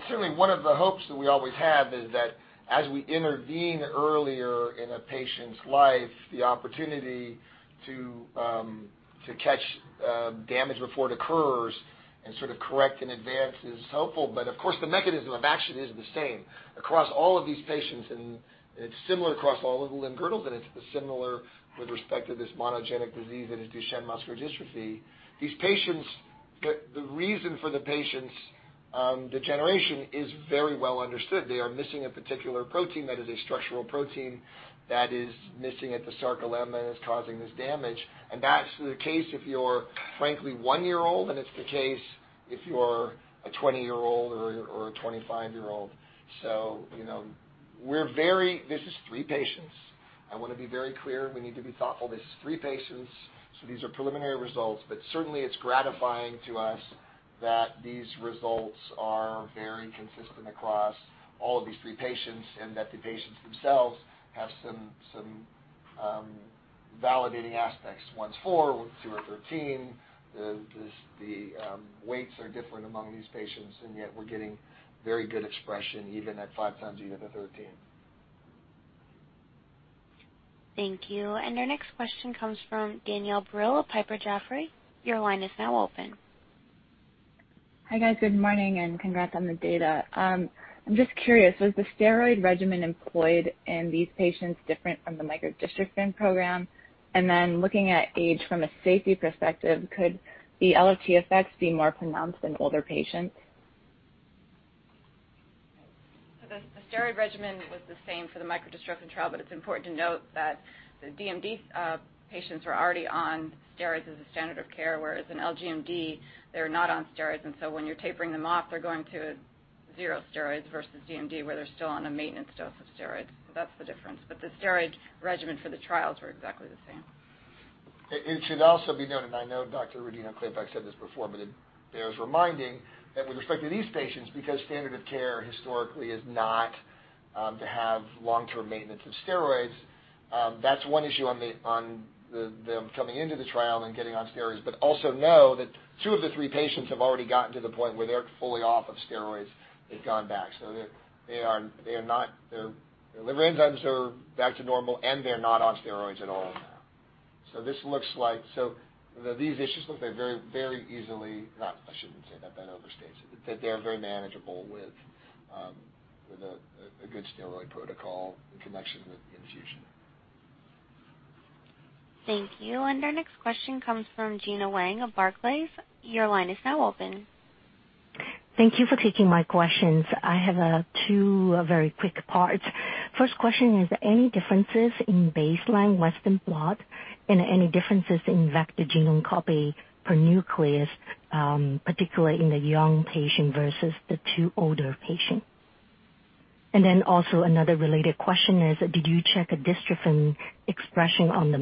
Certainly, one of the hopes that we always have is that as we intervene earlier in a patient's life, the opportunity to catch damage before it occurs and sort of correct in advance is helpful. Of course, the mechanism of action is the same across all of these patients, and it's similar across all of the limb-girdles, and it's similar with respect to this monogenic disease that is Duchenne Muscular Dystrophy. The reason for the patient's degeneration is very well understood. They are missing a particular protein that is a structural protein that is missing at the sarcolemma and is causing this damage. That's the case if you're frankly one year old, and it's the case if you're a 20-year-old or a 25-year-old. This is three patients. I want to be very clear, we need to be thoughtful. This is three patients, these are preliminary results. Certainly, it's gratifying to us that these results are very consistent across all of these three patients and that the patients themselves have some validating aspects. One's four, two are 13. The weights are different among these patients, yet we're getting very good expression even at five times E to the 13. Thank you. Our next question comes from Danielle Brill of Piper Sandler. Your line is now open. Hi, guys. Good morning, and congrats on the data. I'm just curious, was the steroid regimen employed in these patients different from the microdystrophin program? Looking at age from a safety perspective, could the LFT effects be more pronounced in older patients? The steroid regimen was the same for the microdystrophin trial, but it's important to note that the DMD patients were already on steroids as a standard of care, whereas in LGMD, they're not on steroids. When you're tapering them off, they're going to zero steroids versus DMD, where they're still on a maintenance dose of steroids. That's the difference. The steroid regimen for the trials were exactly the same. It should also be noted, and I know Dr. Rodino-Klapac said this before, but it bears reminding that with respect to these patients, because standard of care historically is not to have long-term maintenance of steroids. That's one issue on them coming into the trial and getting on steroids, but also know that two of the three patients have already gotten to the point where they're fully off of steroids. They've gone back. Their liver enzymes are back to normal, and they're not on steroids at all now. These issues look very manageable with a good steroid protocol in connection with infusion. Thank you. Our next question comes from Gena Wang of Barclays. Your line is now open. Thank you for taking my questions. I have two very quick parts. First question is, are there any differences in baseline Western blot and any differences in vector genome copy per nucleus, particularly in the young patient versus the two older patients? Another related question is, did you check dystrophin expression on the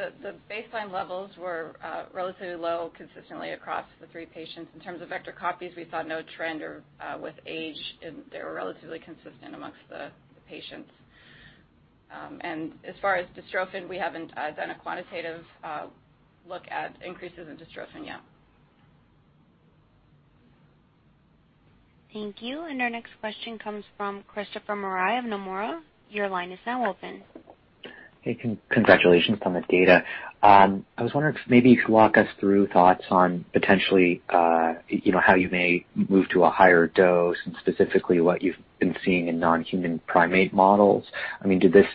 membrane? The baseline levels were relatively low consistently across the three patients. In terms of vector copies, we saw no trend with age, and they were relatively consistent amongst the patients. As far as dystrophin, we haven't done a quantitative look at increases in dystrophin yet. Thank you. Our next question comes from Christopher Marai of Nomura. Your line is now open. Hey, congratulations on the data. I was wondering if maybe you could walk us through thoughts on potentially how you may move to a higher dose and specifically what you've been seeing in non-human primate models. Did this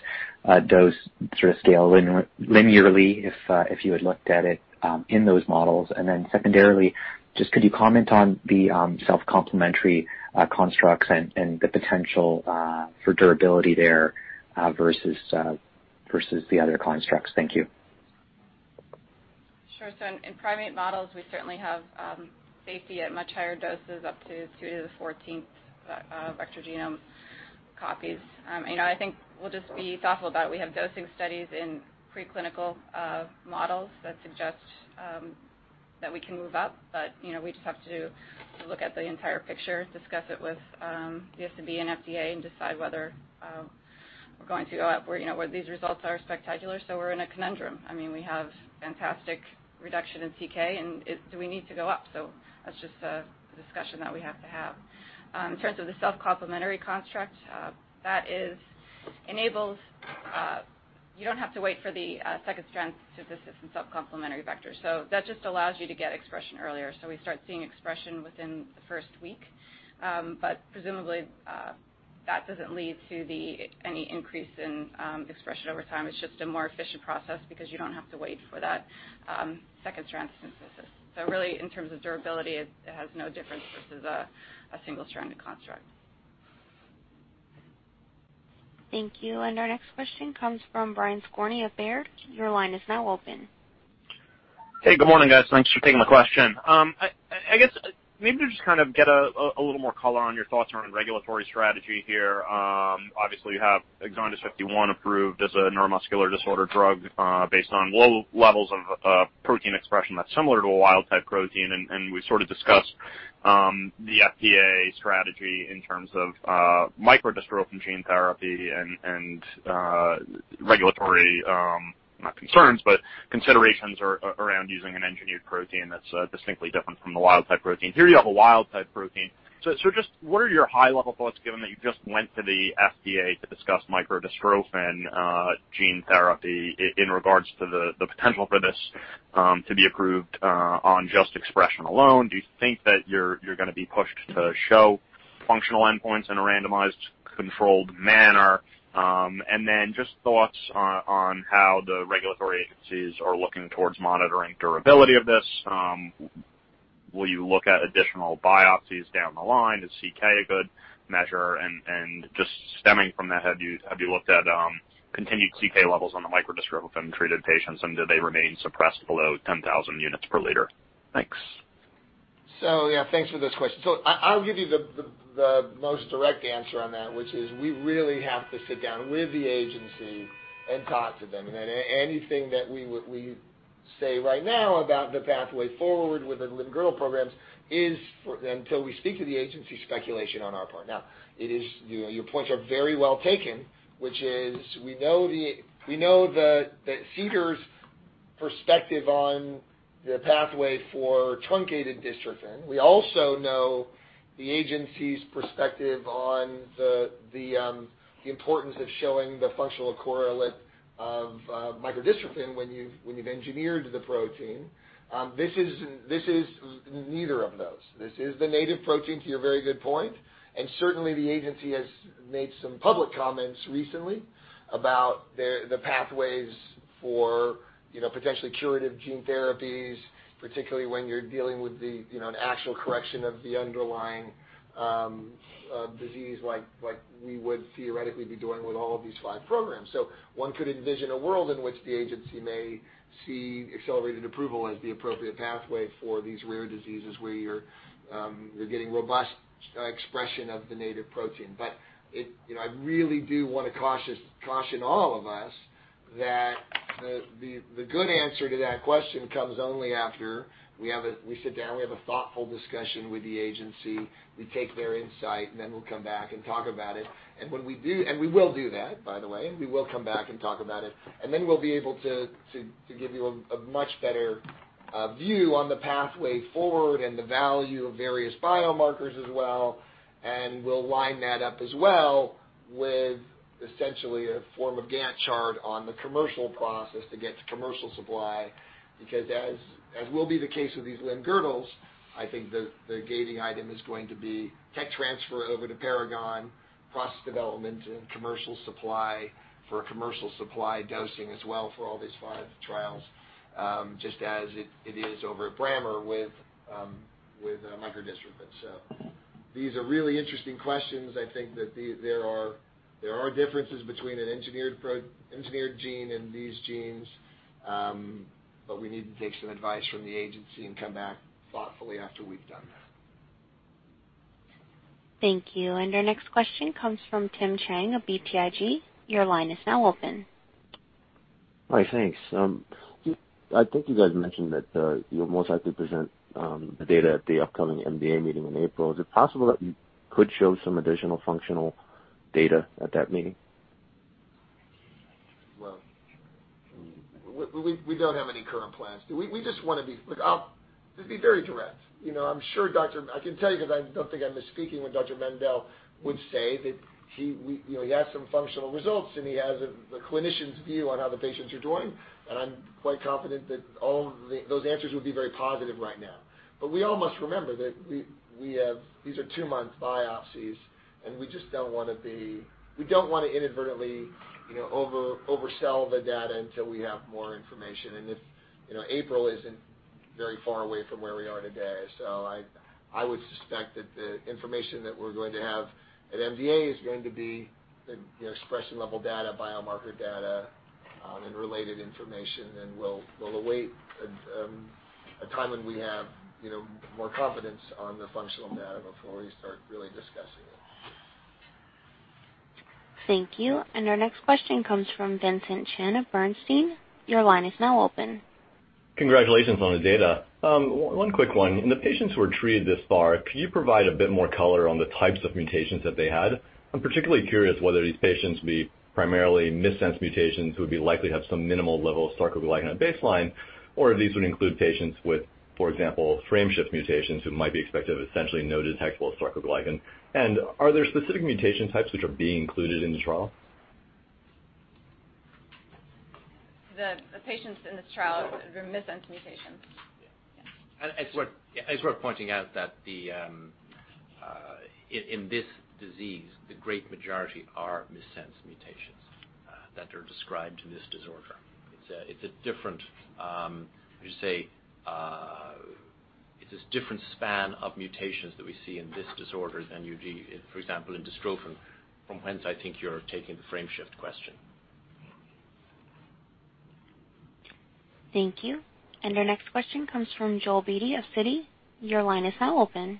dose sort of scale linearly if you had looked at it in those models? Secondarily, just could you comment on the self-complimentary constructs and the potential for durability there versus the other constructs? Thank you. In primate models, we certainly have safety at much higher doses, up to 2 to the 14th vector genome copies. I think we'll just be thoughtful about it. We have dosing studies in preclinical models that suggest that we can move up, but we just have to look at the entire picture, discuss it with the DSMB and FDA, and decide whether we're going to go up where these results are spectacular. We're in a conundrum. We have fantastic reduction in CK, do we need to go up? That's just a discussion that we have to have. In terms of the self-complementary construct, you don't have to wait for the second-strand synthesis in self-complementary vectors. That just allows you to get expression earlier. We start seeing expression within the first week. Presumably, that doesn't lead to any increase in expression over time. It's just a more efficient process because you don't have to wait for that second-strand synthesis. Really, in terms of durability, it has no difference versus a single-stranded construct. Thank you. Our next question comes from Brian Skorney of Baird. Your line is now open. Hey, good morning, guys. Thanks for taking my question. I guess maybe to just get a little more color on your thoughts around regulatory strategy here. Obviously, you have EXONDYS 51 approved as a neuromuscular disorder drug based on low levels of protein expression that's similar to a wild-type protein, and we sort of discussed the FDA strategy in terms of microdystrophin gene therapy and regulatory, not concerns, but considerations around using an engineered protein that's distinctly different from the wild-type protein. Here you have a wild-type protein. Just what are your high-level thoughts, given that you just went to the FDA to discuss microdystrophin gene therapy in regards to the potential for this to be approved on just expression alone? Do you think that you're going to be pushed to show functional endpoints in a randomized controlled manner? Just thoughts on how the regulatory agencies are looking towards monitoring durability of this. Will you look at additional biopsies down the line? Is CK a good measure? Just stemming from that, have you looked at continued CK levels on the microdystrophin-treated patients, and do they remain suppressed below 10,000 units per liter? Thanks. Yeah, thanks for this question. I'll give you the most direct answer on that, which is we really have to sit down with the agency and talk to them, and anything that we say right now about the pathway forward with the limb-girdle programs is, until we speak to the agency, speculation on our part. Your points are very well taken, which is we know that CDER's perspective on the pathway for truncated dystrophin. We also know the agency's perspective on the importance of showing the functional correlate of microdystrophin when you've engineered the protein. This is neither of those. This is the native protein, to your very good point. Certainly the agency has made some public comments recently about the pathways for potentially curative gene therapies, particularly when you're dealing with an actual correction of the underlying disease like we would theoretically be doing with all of these 5 programs. One could envision a world in which the agency may see accelerated approval as the appropriate pathway for these rare diseases where you're getting robust expression of the native protein. I really do want to caution all of us that the good answer to that question comes only after we sit down, we have a thoughtful discussion with the agency, we take their insight, we'll come back and talk about it. We will do that, by the way. We will come back and talk about it, we'll be able to give you a much better view on the pathway forward and the value of various biomarkers as well. We'll line that up as well with essentially a form of Gantt chart on the commercial process to get to commercial supply. Because as will be the case with these limb-girdles, I think the gating item is going to be tech transfer over to Paragon, process development, and commercial supply for commercial supply dosing as well for all these 5 trials, just as it is over at Brammer with microdystrophin. These are really interesting questions. I think that there are differences between an engineered gene and these genes. We need to take some advice from the agency and come back thoughtfully after we've done that. Thank you. Our next question comes from Tim Chiang of BTIG. Your line is now open. Hi, thanks. I think you guys mentioned that you'll most likely present the data at the upcoming MDA meeting in April. Is it possible that you could show some additional functional data at that meeting? Well, we don't have any current plans. To be very direct, I can tell you, because I don't think I'm misspeaking what Dr. Mendell would say, that he has some functional results, and he has the clinician's view on how the patients are doing, and I'm quite confident that all those answers would be very positive right now. We all must remember that these are two-month biopsies, and we don't want to inadvertently oversell the data until we have more information. April isn't very far away from where we are today. I would suspect that the information that we're going to have at MDA is going to be expression level data, biomarker data, and related information, and we'll await a time when we have more confidence on the functional data before we start really discussing it. Thank you. Our next question comes from Vincent Chen of Bernstein. Your line is now open. Congratulations on the data. One quick one. In the patients who were treated thus far, could you provide a bit more color on the types of mutations that they had? I'm particularly curious whether these patients would be primarily missense mutations who would be likely to have some minimal level of sarcoglycan at baseline, or if these would include patients with, for example, frameshift mutations who might be expected to have essentially no detectable sarcoglycan. Are there specific mutation types which are being included in the trial? The patients in this trial were missense mutations. Yeah. Yeah. It's worth pointing out that in this disease, the great majority are missense mutations that are described to this disorder. It's a different span of mutations that we see in this disorder than you do, for example, in dystrophin, from whence I think you're taking the frameshift question. Thank you. Our next question comes from Joel Beatty of Citi. Your line is now open.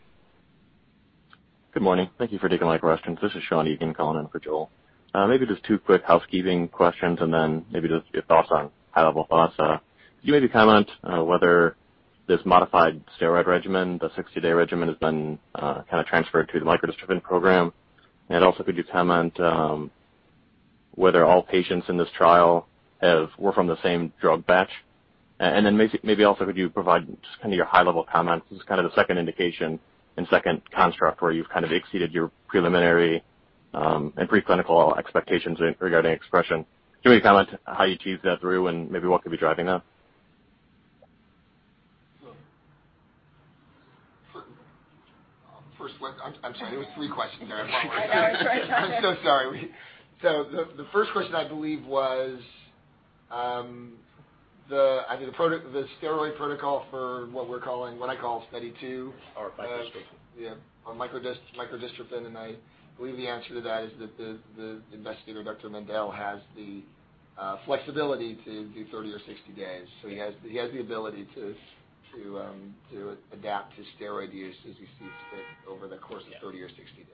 Good morning. Thank you for taking my questions. This is Sean Egan calling in for Joel. Maybe just two quick housekeeping questions, then maybe just your thoughts on high-level thoughts. Could you maybe comment whether this modified steroid regimen, the 60-day regimen, has been transferred to the microdystrophin program? Could you comment whether all patients in this trial were from the same drug batch? Could you provide just your high-level comments? This is the second indication and second construct where you've exceeded your preliminary and preclinical expectations regarding expression. Could you maybe comment how you teased that through and maybe what could be driving that? First, I'm sorry. It was three questions there. I tried to write it down. I'm so sorry. The first question, I believe, was the steroid protocol for what I call study 2. microdystrophin. Yeah. On microdystrophin, I believe the answer to that is that the investigator, Dr. Mendell, has the flexibility to do 30 or 60 days. He has the ability to adapt to steroid use as he sees fit over the course of 30 or 60 days.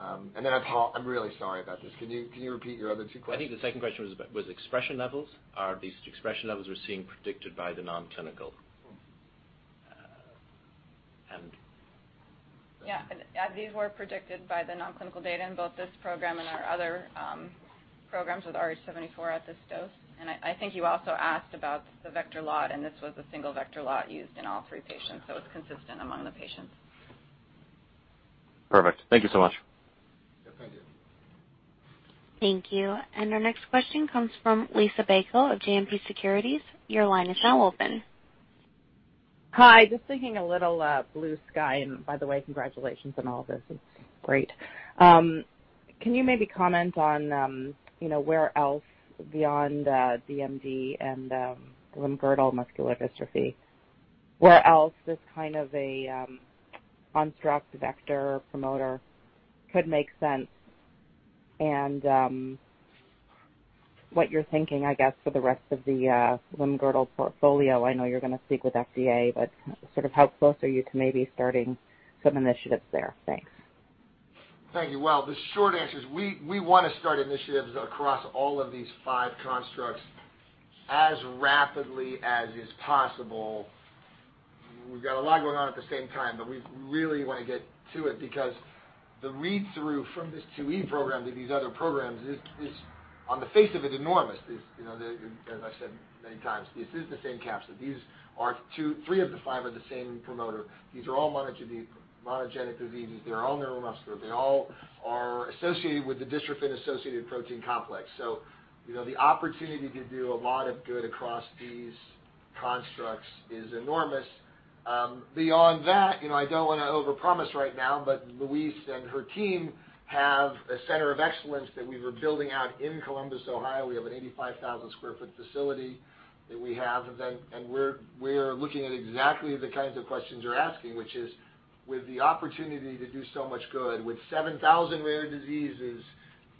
I'm really sorry about this. Can you repeat your other two questions? I think the second question was expression levels. Are these expression levels we're seeing predicted by the non-clinical? Yeah. These were predicted by the non-clinical data in both this program and our other programs with RH74 at this dose. I think you also asked about the vector lot, this was a single vector lot used in all three patients, it's consistent among the patients. Perfect. Thank you so much. Yeah. Thank you. Thank you. Our next question comes from Liisa Bayko of JMP Securities. Your line is now open. Hi. Just thinking a little blue sky, by the way, congratulations on all this. It's great. Can you maybe comment on where else beyond DMD and limb-girdle muscular dystrophy, where else this kind of an on-target vector promoter could make sense and what you're thinking, I guess, for the rest of the limb-girdle portfolio? I know you're going to speak with FDA, sort of how close are you to maybe starting some initiatives there? Thanks. Thank you. The short answer is we want to start initiatives across all of these five constructs as rapidly as is possible. We've got a lot going on at the same time, we really want to get to it because the read-through from this 2E program to these other programs is, on the face of it, enormous. As I said many times, this is the same capsid. Three of the five are the same promoter. These are all monogenic diseases. They're all neuromuscular. They all are associated with the dystrophin-associated protein complex. The opportunity to do a lot of good across these constructs is enormous. Beyond that, I don't want to overpromise right now, Louise and her team have a center of excellence that we were building out in Columbus, Ohio. We have an 85,000 sq ft facility that we have. We're looking at exactly the kinds of questions you're asking, which is with the opportunity to do so much good with 7,000 rare diseases,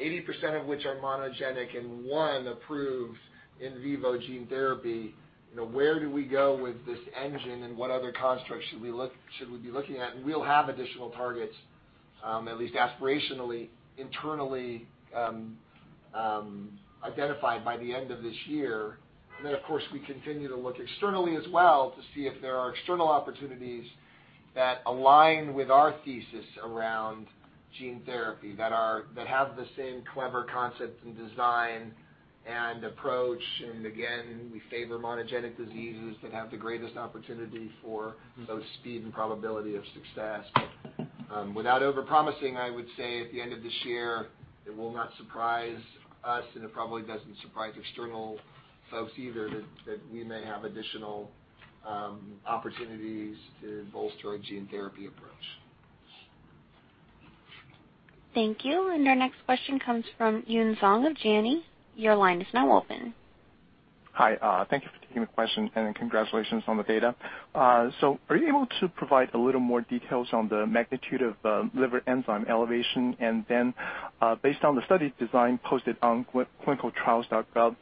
80% of which are monogenic and one approved in vivo gene therapy, where do we go with this engine and what other constructs should we be looking at? We'll have additional targets, at least aspirationally, internally, identified by the end of this year. Of course, we continue to look externally as well to see if there are external opportunities that align with our thesis around gene therapy, that have the same clever concept and design and approach. Again, we favor monogenic diseases that have the greatest opportunity for both speed and probability of success. Without overpromising, I would say at the end of this year, it will not surprise us, and it probably doesn't surprise external folks either, that we may have additional opportunities to bolster our gene therapy approach. Thank you. Our next question comes from Yun Zhong of Janney. Your line is now open. Hi. Thank you for taking the question and congratulations on the data. Are you able to provide a little more details on the magnitude of liver enzyme elevation? Then, based on the study design posted on ClinicalTrials.gov,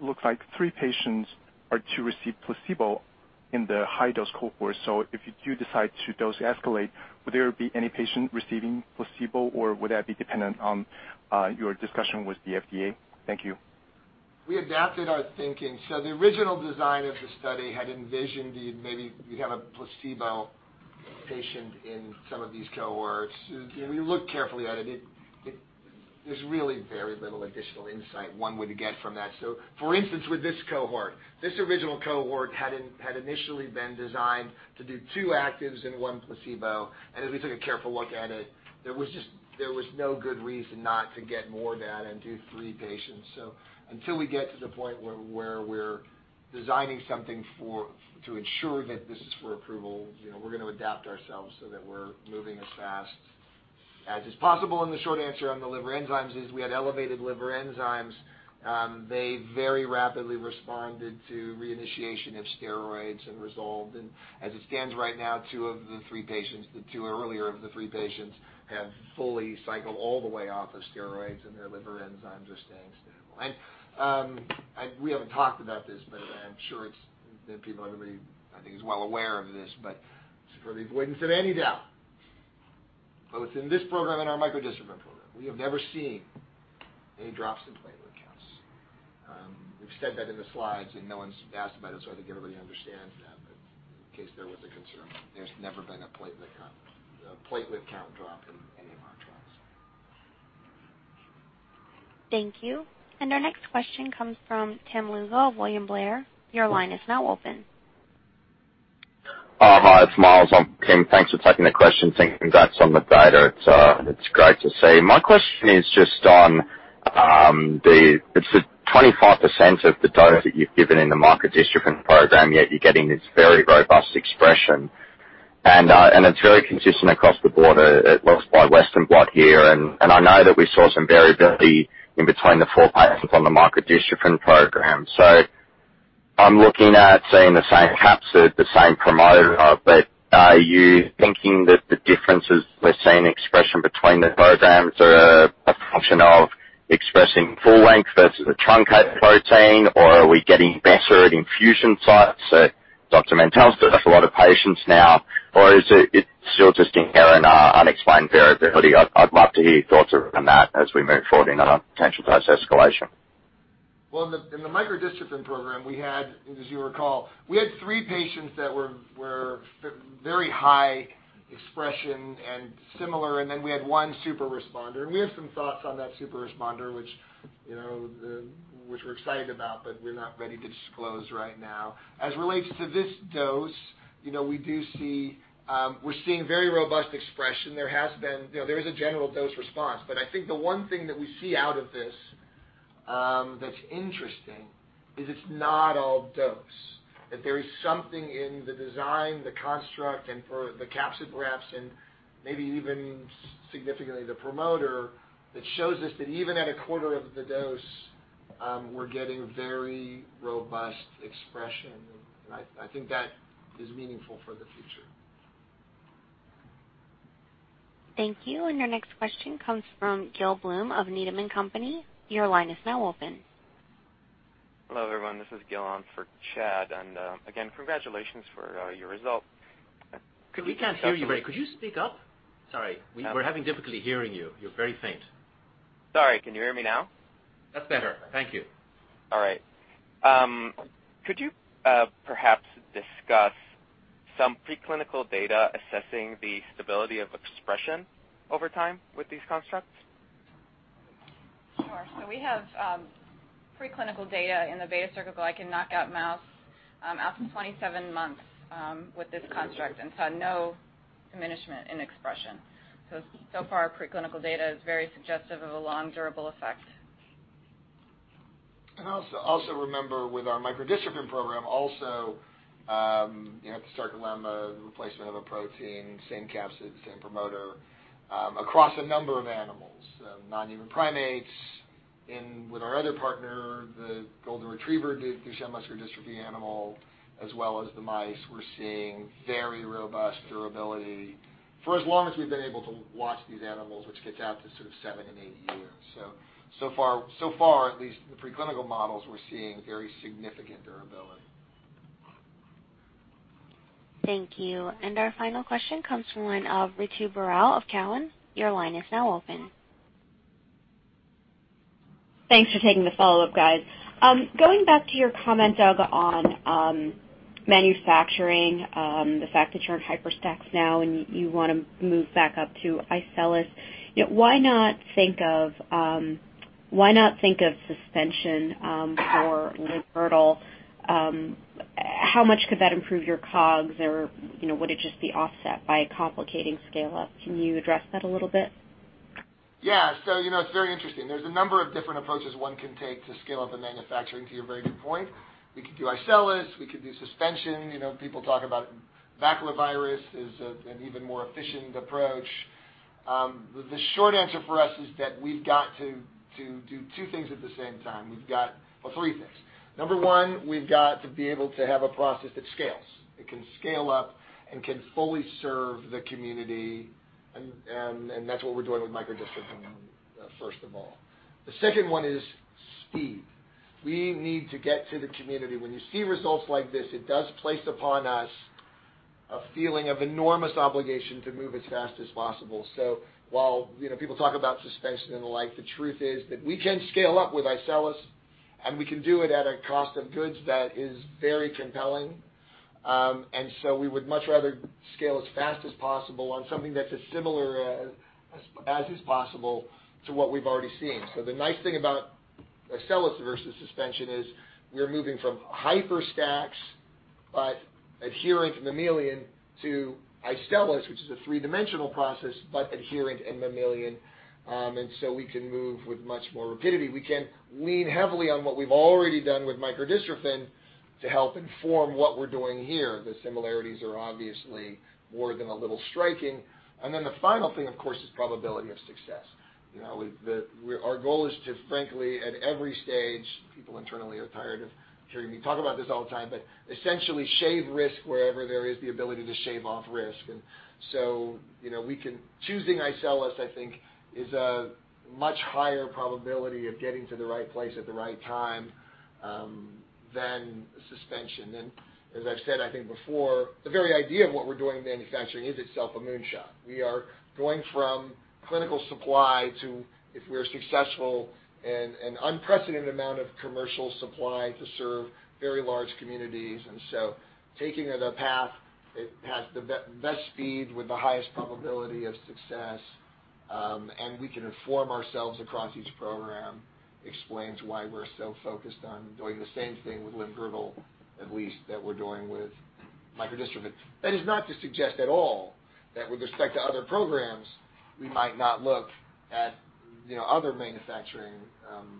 looks like three patients are to receive placebo in the high-dose cohort. If you do decide to dose escalate, would there be any patient receiving placebo, or would that be dependent on your discussion with the FDA? Thank you. We adapted our thinking. The original design of the study had envisioned maybe we'd have a placebo patient in some of these cohorts. We looked carefully at it. There's really very little additional insight one would get from that. For instance, with this cohort, this original cohort had initially been designed to do two actives and one placebo. As we took a careful look at it, there was no good reason not to get more data and do three patients. Until we get to the point where we're designing something to ensure that this is for approval, we're going to adapt ourselves so that we're moving as fast as is possible. The short answer on the liver enzymes is we had elevated liver enzymes. They very rapidly responded to reinitiation of steroids and resolved. As it stands right now, two of the three patients, the two earlier of the three patients, have fully cycled all the way off of steroids, and their liver enzymes are staying stable. We haven't talked about this, but I'm sure everybody, I think, is well aware of this, but just for the avoidance of any doubt, both in this program and our microdystrophin program, we have never seen any drops in platelet counts. We've said that in the slides, no one's asked about it, so I think everybody understands that. In case there was a concern, there's never been a platelet count drop in any of our trials. Thank you. Our next question comes from Tim Lugo of William Blair. Your line is now open. Hi, it's Myles. Tim, thanks for taking the question. Congrats on the data. It's great to see. My question is just on the 25%, of the dose that you've given in the microdystrophin program, yet you're getting this very robust expression, and it's very consistent across the board, it looks, by Western blot here. I know that we saw some variability in between the four patients on the microdystrophin program. I'm looking at seeing the same capsid, the same promoter, but are you thinking that the differences we're seeing expression between the programs are a function of expressing full-length versus a truncated protein? Or are we getting better at infusion sites that Dr. Mendell's done with a lot of patients now? Or is it still just inherent unexplained variability? I'd love to hear your thoughts on that as we move forward in a potential dose escalation. Well, in the microdystrophin program, as you recall, we had three patients that were very high expression and similar, then we had one super responder. We have some thoughts on that super responder, which we're excited about, but we're not ready to disclose right now. As it relates to this dose, we're seeing very robust expression. There is a general dose response, I think the one thing that we see out of this that's interesting is it's not all dose. That there is something in the design, the construct, and for the capsid graphs, and maybe even significantly the promoter, that shows us that even at a quarter of the dose, we're getting very robust expression. I think that is meaningful for the future. Thank you. Your next question comes from Gil Blum of Needham & Company. Your line is now open. Hello, everyone. This is Gil on for Chad, again, congratulations for your results. Could you speak up? Sorry. We're having difficulty hearing you. You're very faint. Sorry. Can you hear me now? That's better. Thank you. All right. Could you perhaps discuss some preclinical data assessing the stability of expression over time with these constructs? Sure. We have preclinical data in the beta-sarcoglycan knockout mouse out to 27 months with this construct and saw no diminishment in expression. So far preclinical data is very suggestive of a long durable effect. Remember with our microdystrophin program also, the sarcoglycan, the replacement of a protein, same capsid, same promoter, across a number of animals, non-human primates in with our other partner, the golden retriever muscular dystrophy animal, as well as the mice. We're seeing very robust durability for as long as we've been able to watch these animals, which gets out to sort of seven and eight years. So far, at least the preclinical models, we're seeing very significant durability. Thank you. Our final question comes from the line of Ritu Baral of TD Cowen. Your line is now open. Thanks for taking the follow-up, guys. Going back to your comment, Doug, on manufacturing, the fact that you're in HYPERStack now and you want to move back up to iCELLis. Why not think of suspension for limb-girdle? How much could that improve your COGS or would it just be offset by complicating scale up? Can you address that a little bit? Yeah. It's very interesting. There's a number of different approaches one can take to scale up a manufacturing to your very good point. We could do iCELLis. We could do suspension. People talk about baculovirus as an even more efficient approach. The short answer for us is that we've got to do two things at the same time. Well, three things. Number one, we've got to be able to have a process that scales. It can scale up and can fully serve the community, and that's what we're doing with microdystrophin first of all. The second one is speed. We need to get to the community. When you see results like this, it does place upon us a feeling of enormous obligation to move as fast as possible. While people talk about suspension and the like, the truth is that we can scale up with iCELLis, and we can do it at a cost of goods that is very compelling. We would much rather scale as fast as possible on something that is as similar as is possible to what we have already seen. The nice thing about iCELLis versus suspension is we are moving from HYPERStack, but adherent in mammalian to iCELLis, which is a three-dimensional process, but adherent in mammalian, and so we can move with much more rapidity. We can lean heavily on what we have already done with microdystrophin to help inform what we are doing here. The similarities are obviously more than a little striking. The final thing, of course, is probability of success. Our goal is to, frankly, at every stage, people internally are tired of hearing me talk about this all the time, essentially shave risk wherever there is the ability to shave off risk. Choosing iCELLis, I think, is a much higher probability of getting to the right place at the right time than suspension. As I have said, I think before, the very idea of what we are doing in manufacturing is itself a moonshot. We are going from clinical supply to, if we are successful, an unprecedented amount of commercial supply to serve very large communities. Taking the path that has the best speed with the highest probability of success, and we can inform ourselves across each program, explains why we are so focused on doing the same thing with limb-girdle at least that we are doing with microdystrophin. That is not to suggest at all that with respect to other programs, we might not look at other manufacturing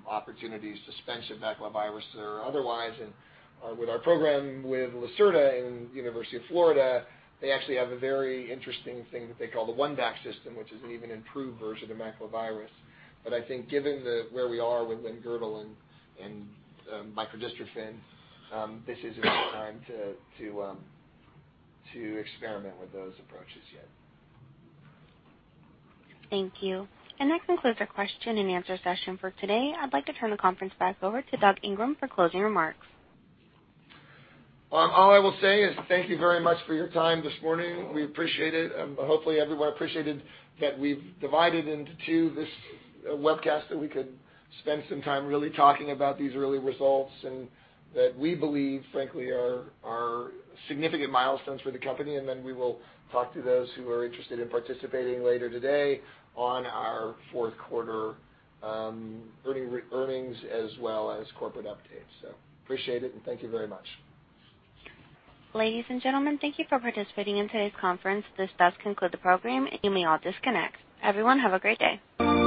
opportunities, suspension, baculovirus or otherwise. With our program with Lacerta and University of Florida, they actually have a very interesting thing that they call the OneBac system, which is an even improved version of baculovirus. I think given where we are with limb-girdle and microdystrophin, this is not the time to experiment with those approaches yet. Thank you. That concludes our question and answer session for today. I would like to turn the conference back over to Doug Ingram for closing remarks. All I will say is thank you very much for your time this morning. We appreciate it. Hopefully, everyone appreciated that we've divided into two this webcast that we could spend some time really talking about these early results, that we believe, frankly, are significant milestones for the company. Then we will talk to those who are interested in participating later today on our fourth quarter earnings as well as corporate updates. Appreciate it and thank you very much. Ladies and gentlemen, thank you for participating in today's conference. This does conclude the program. You may all disconnect. Everyone, have a great day.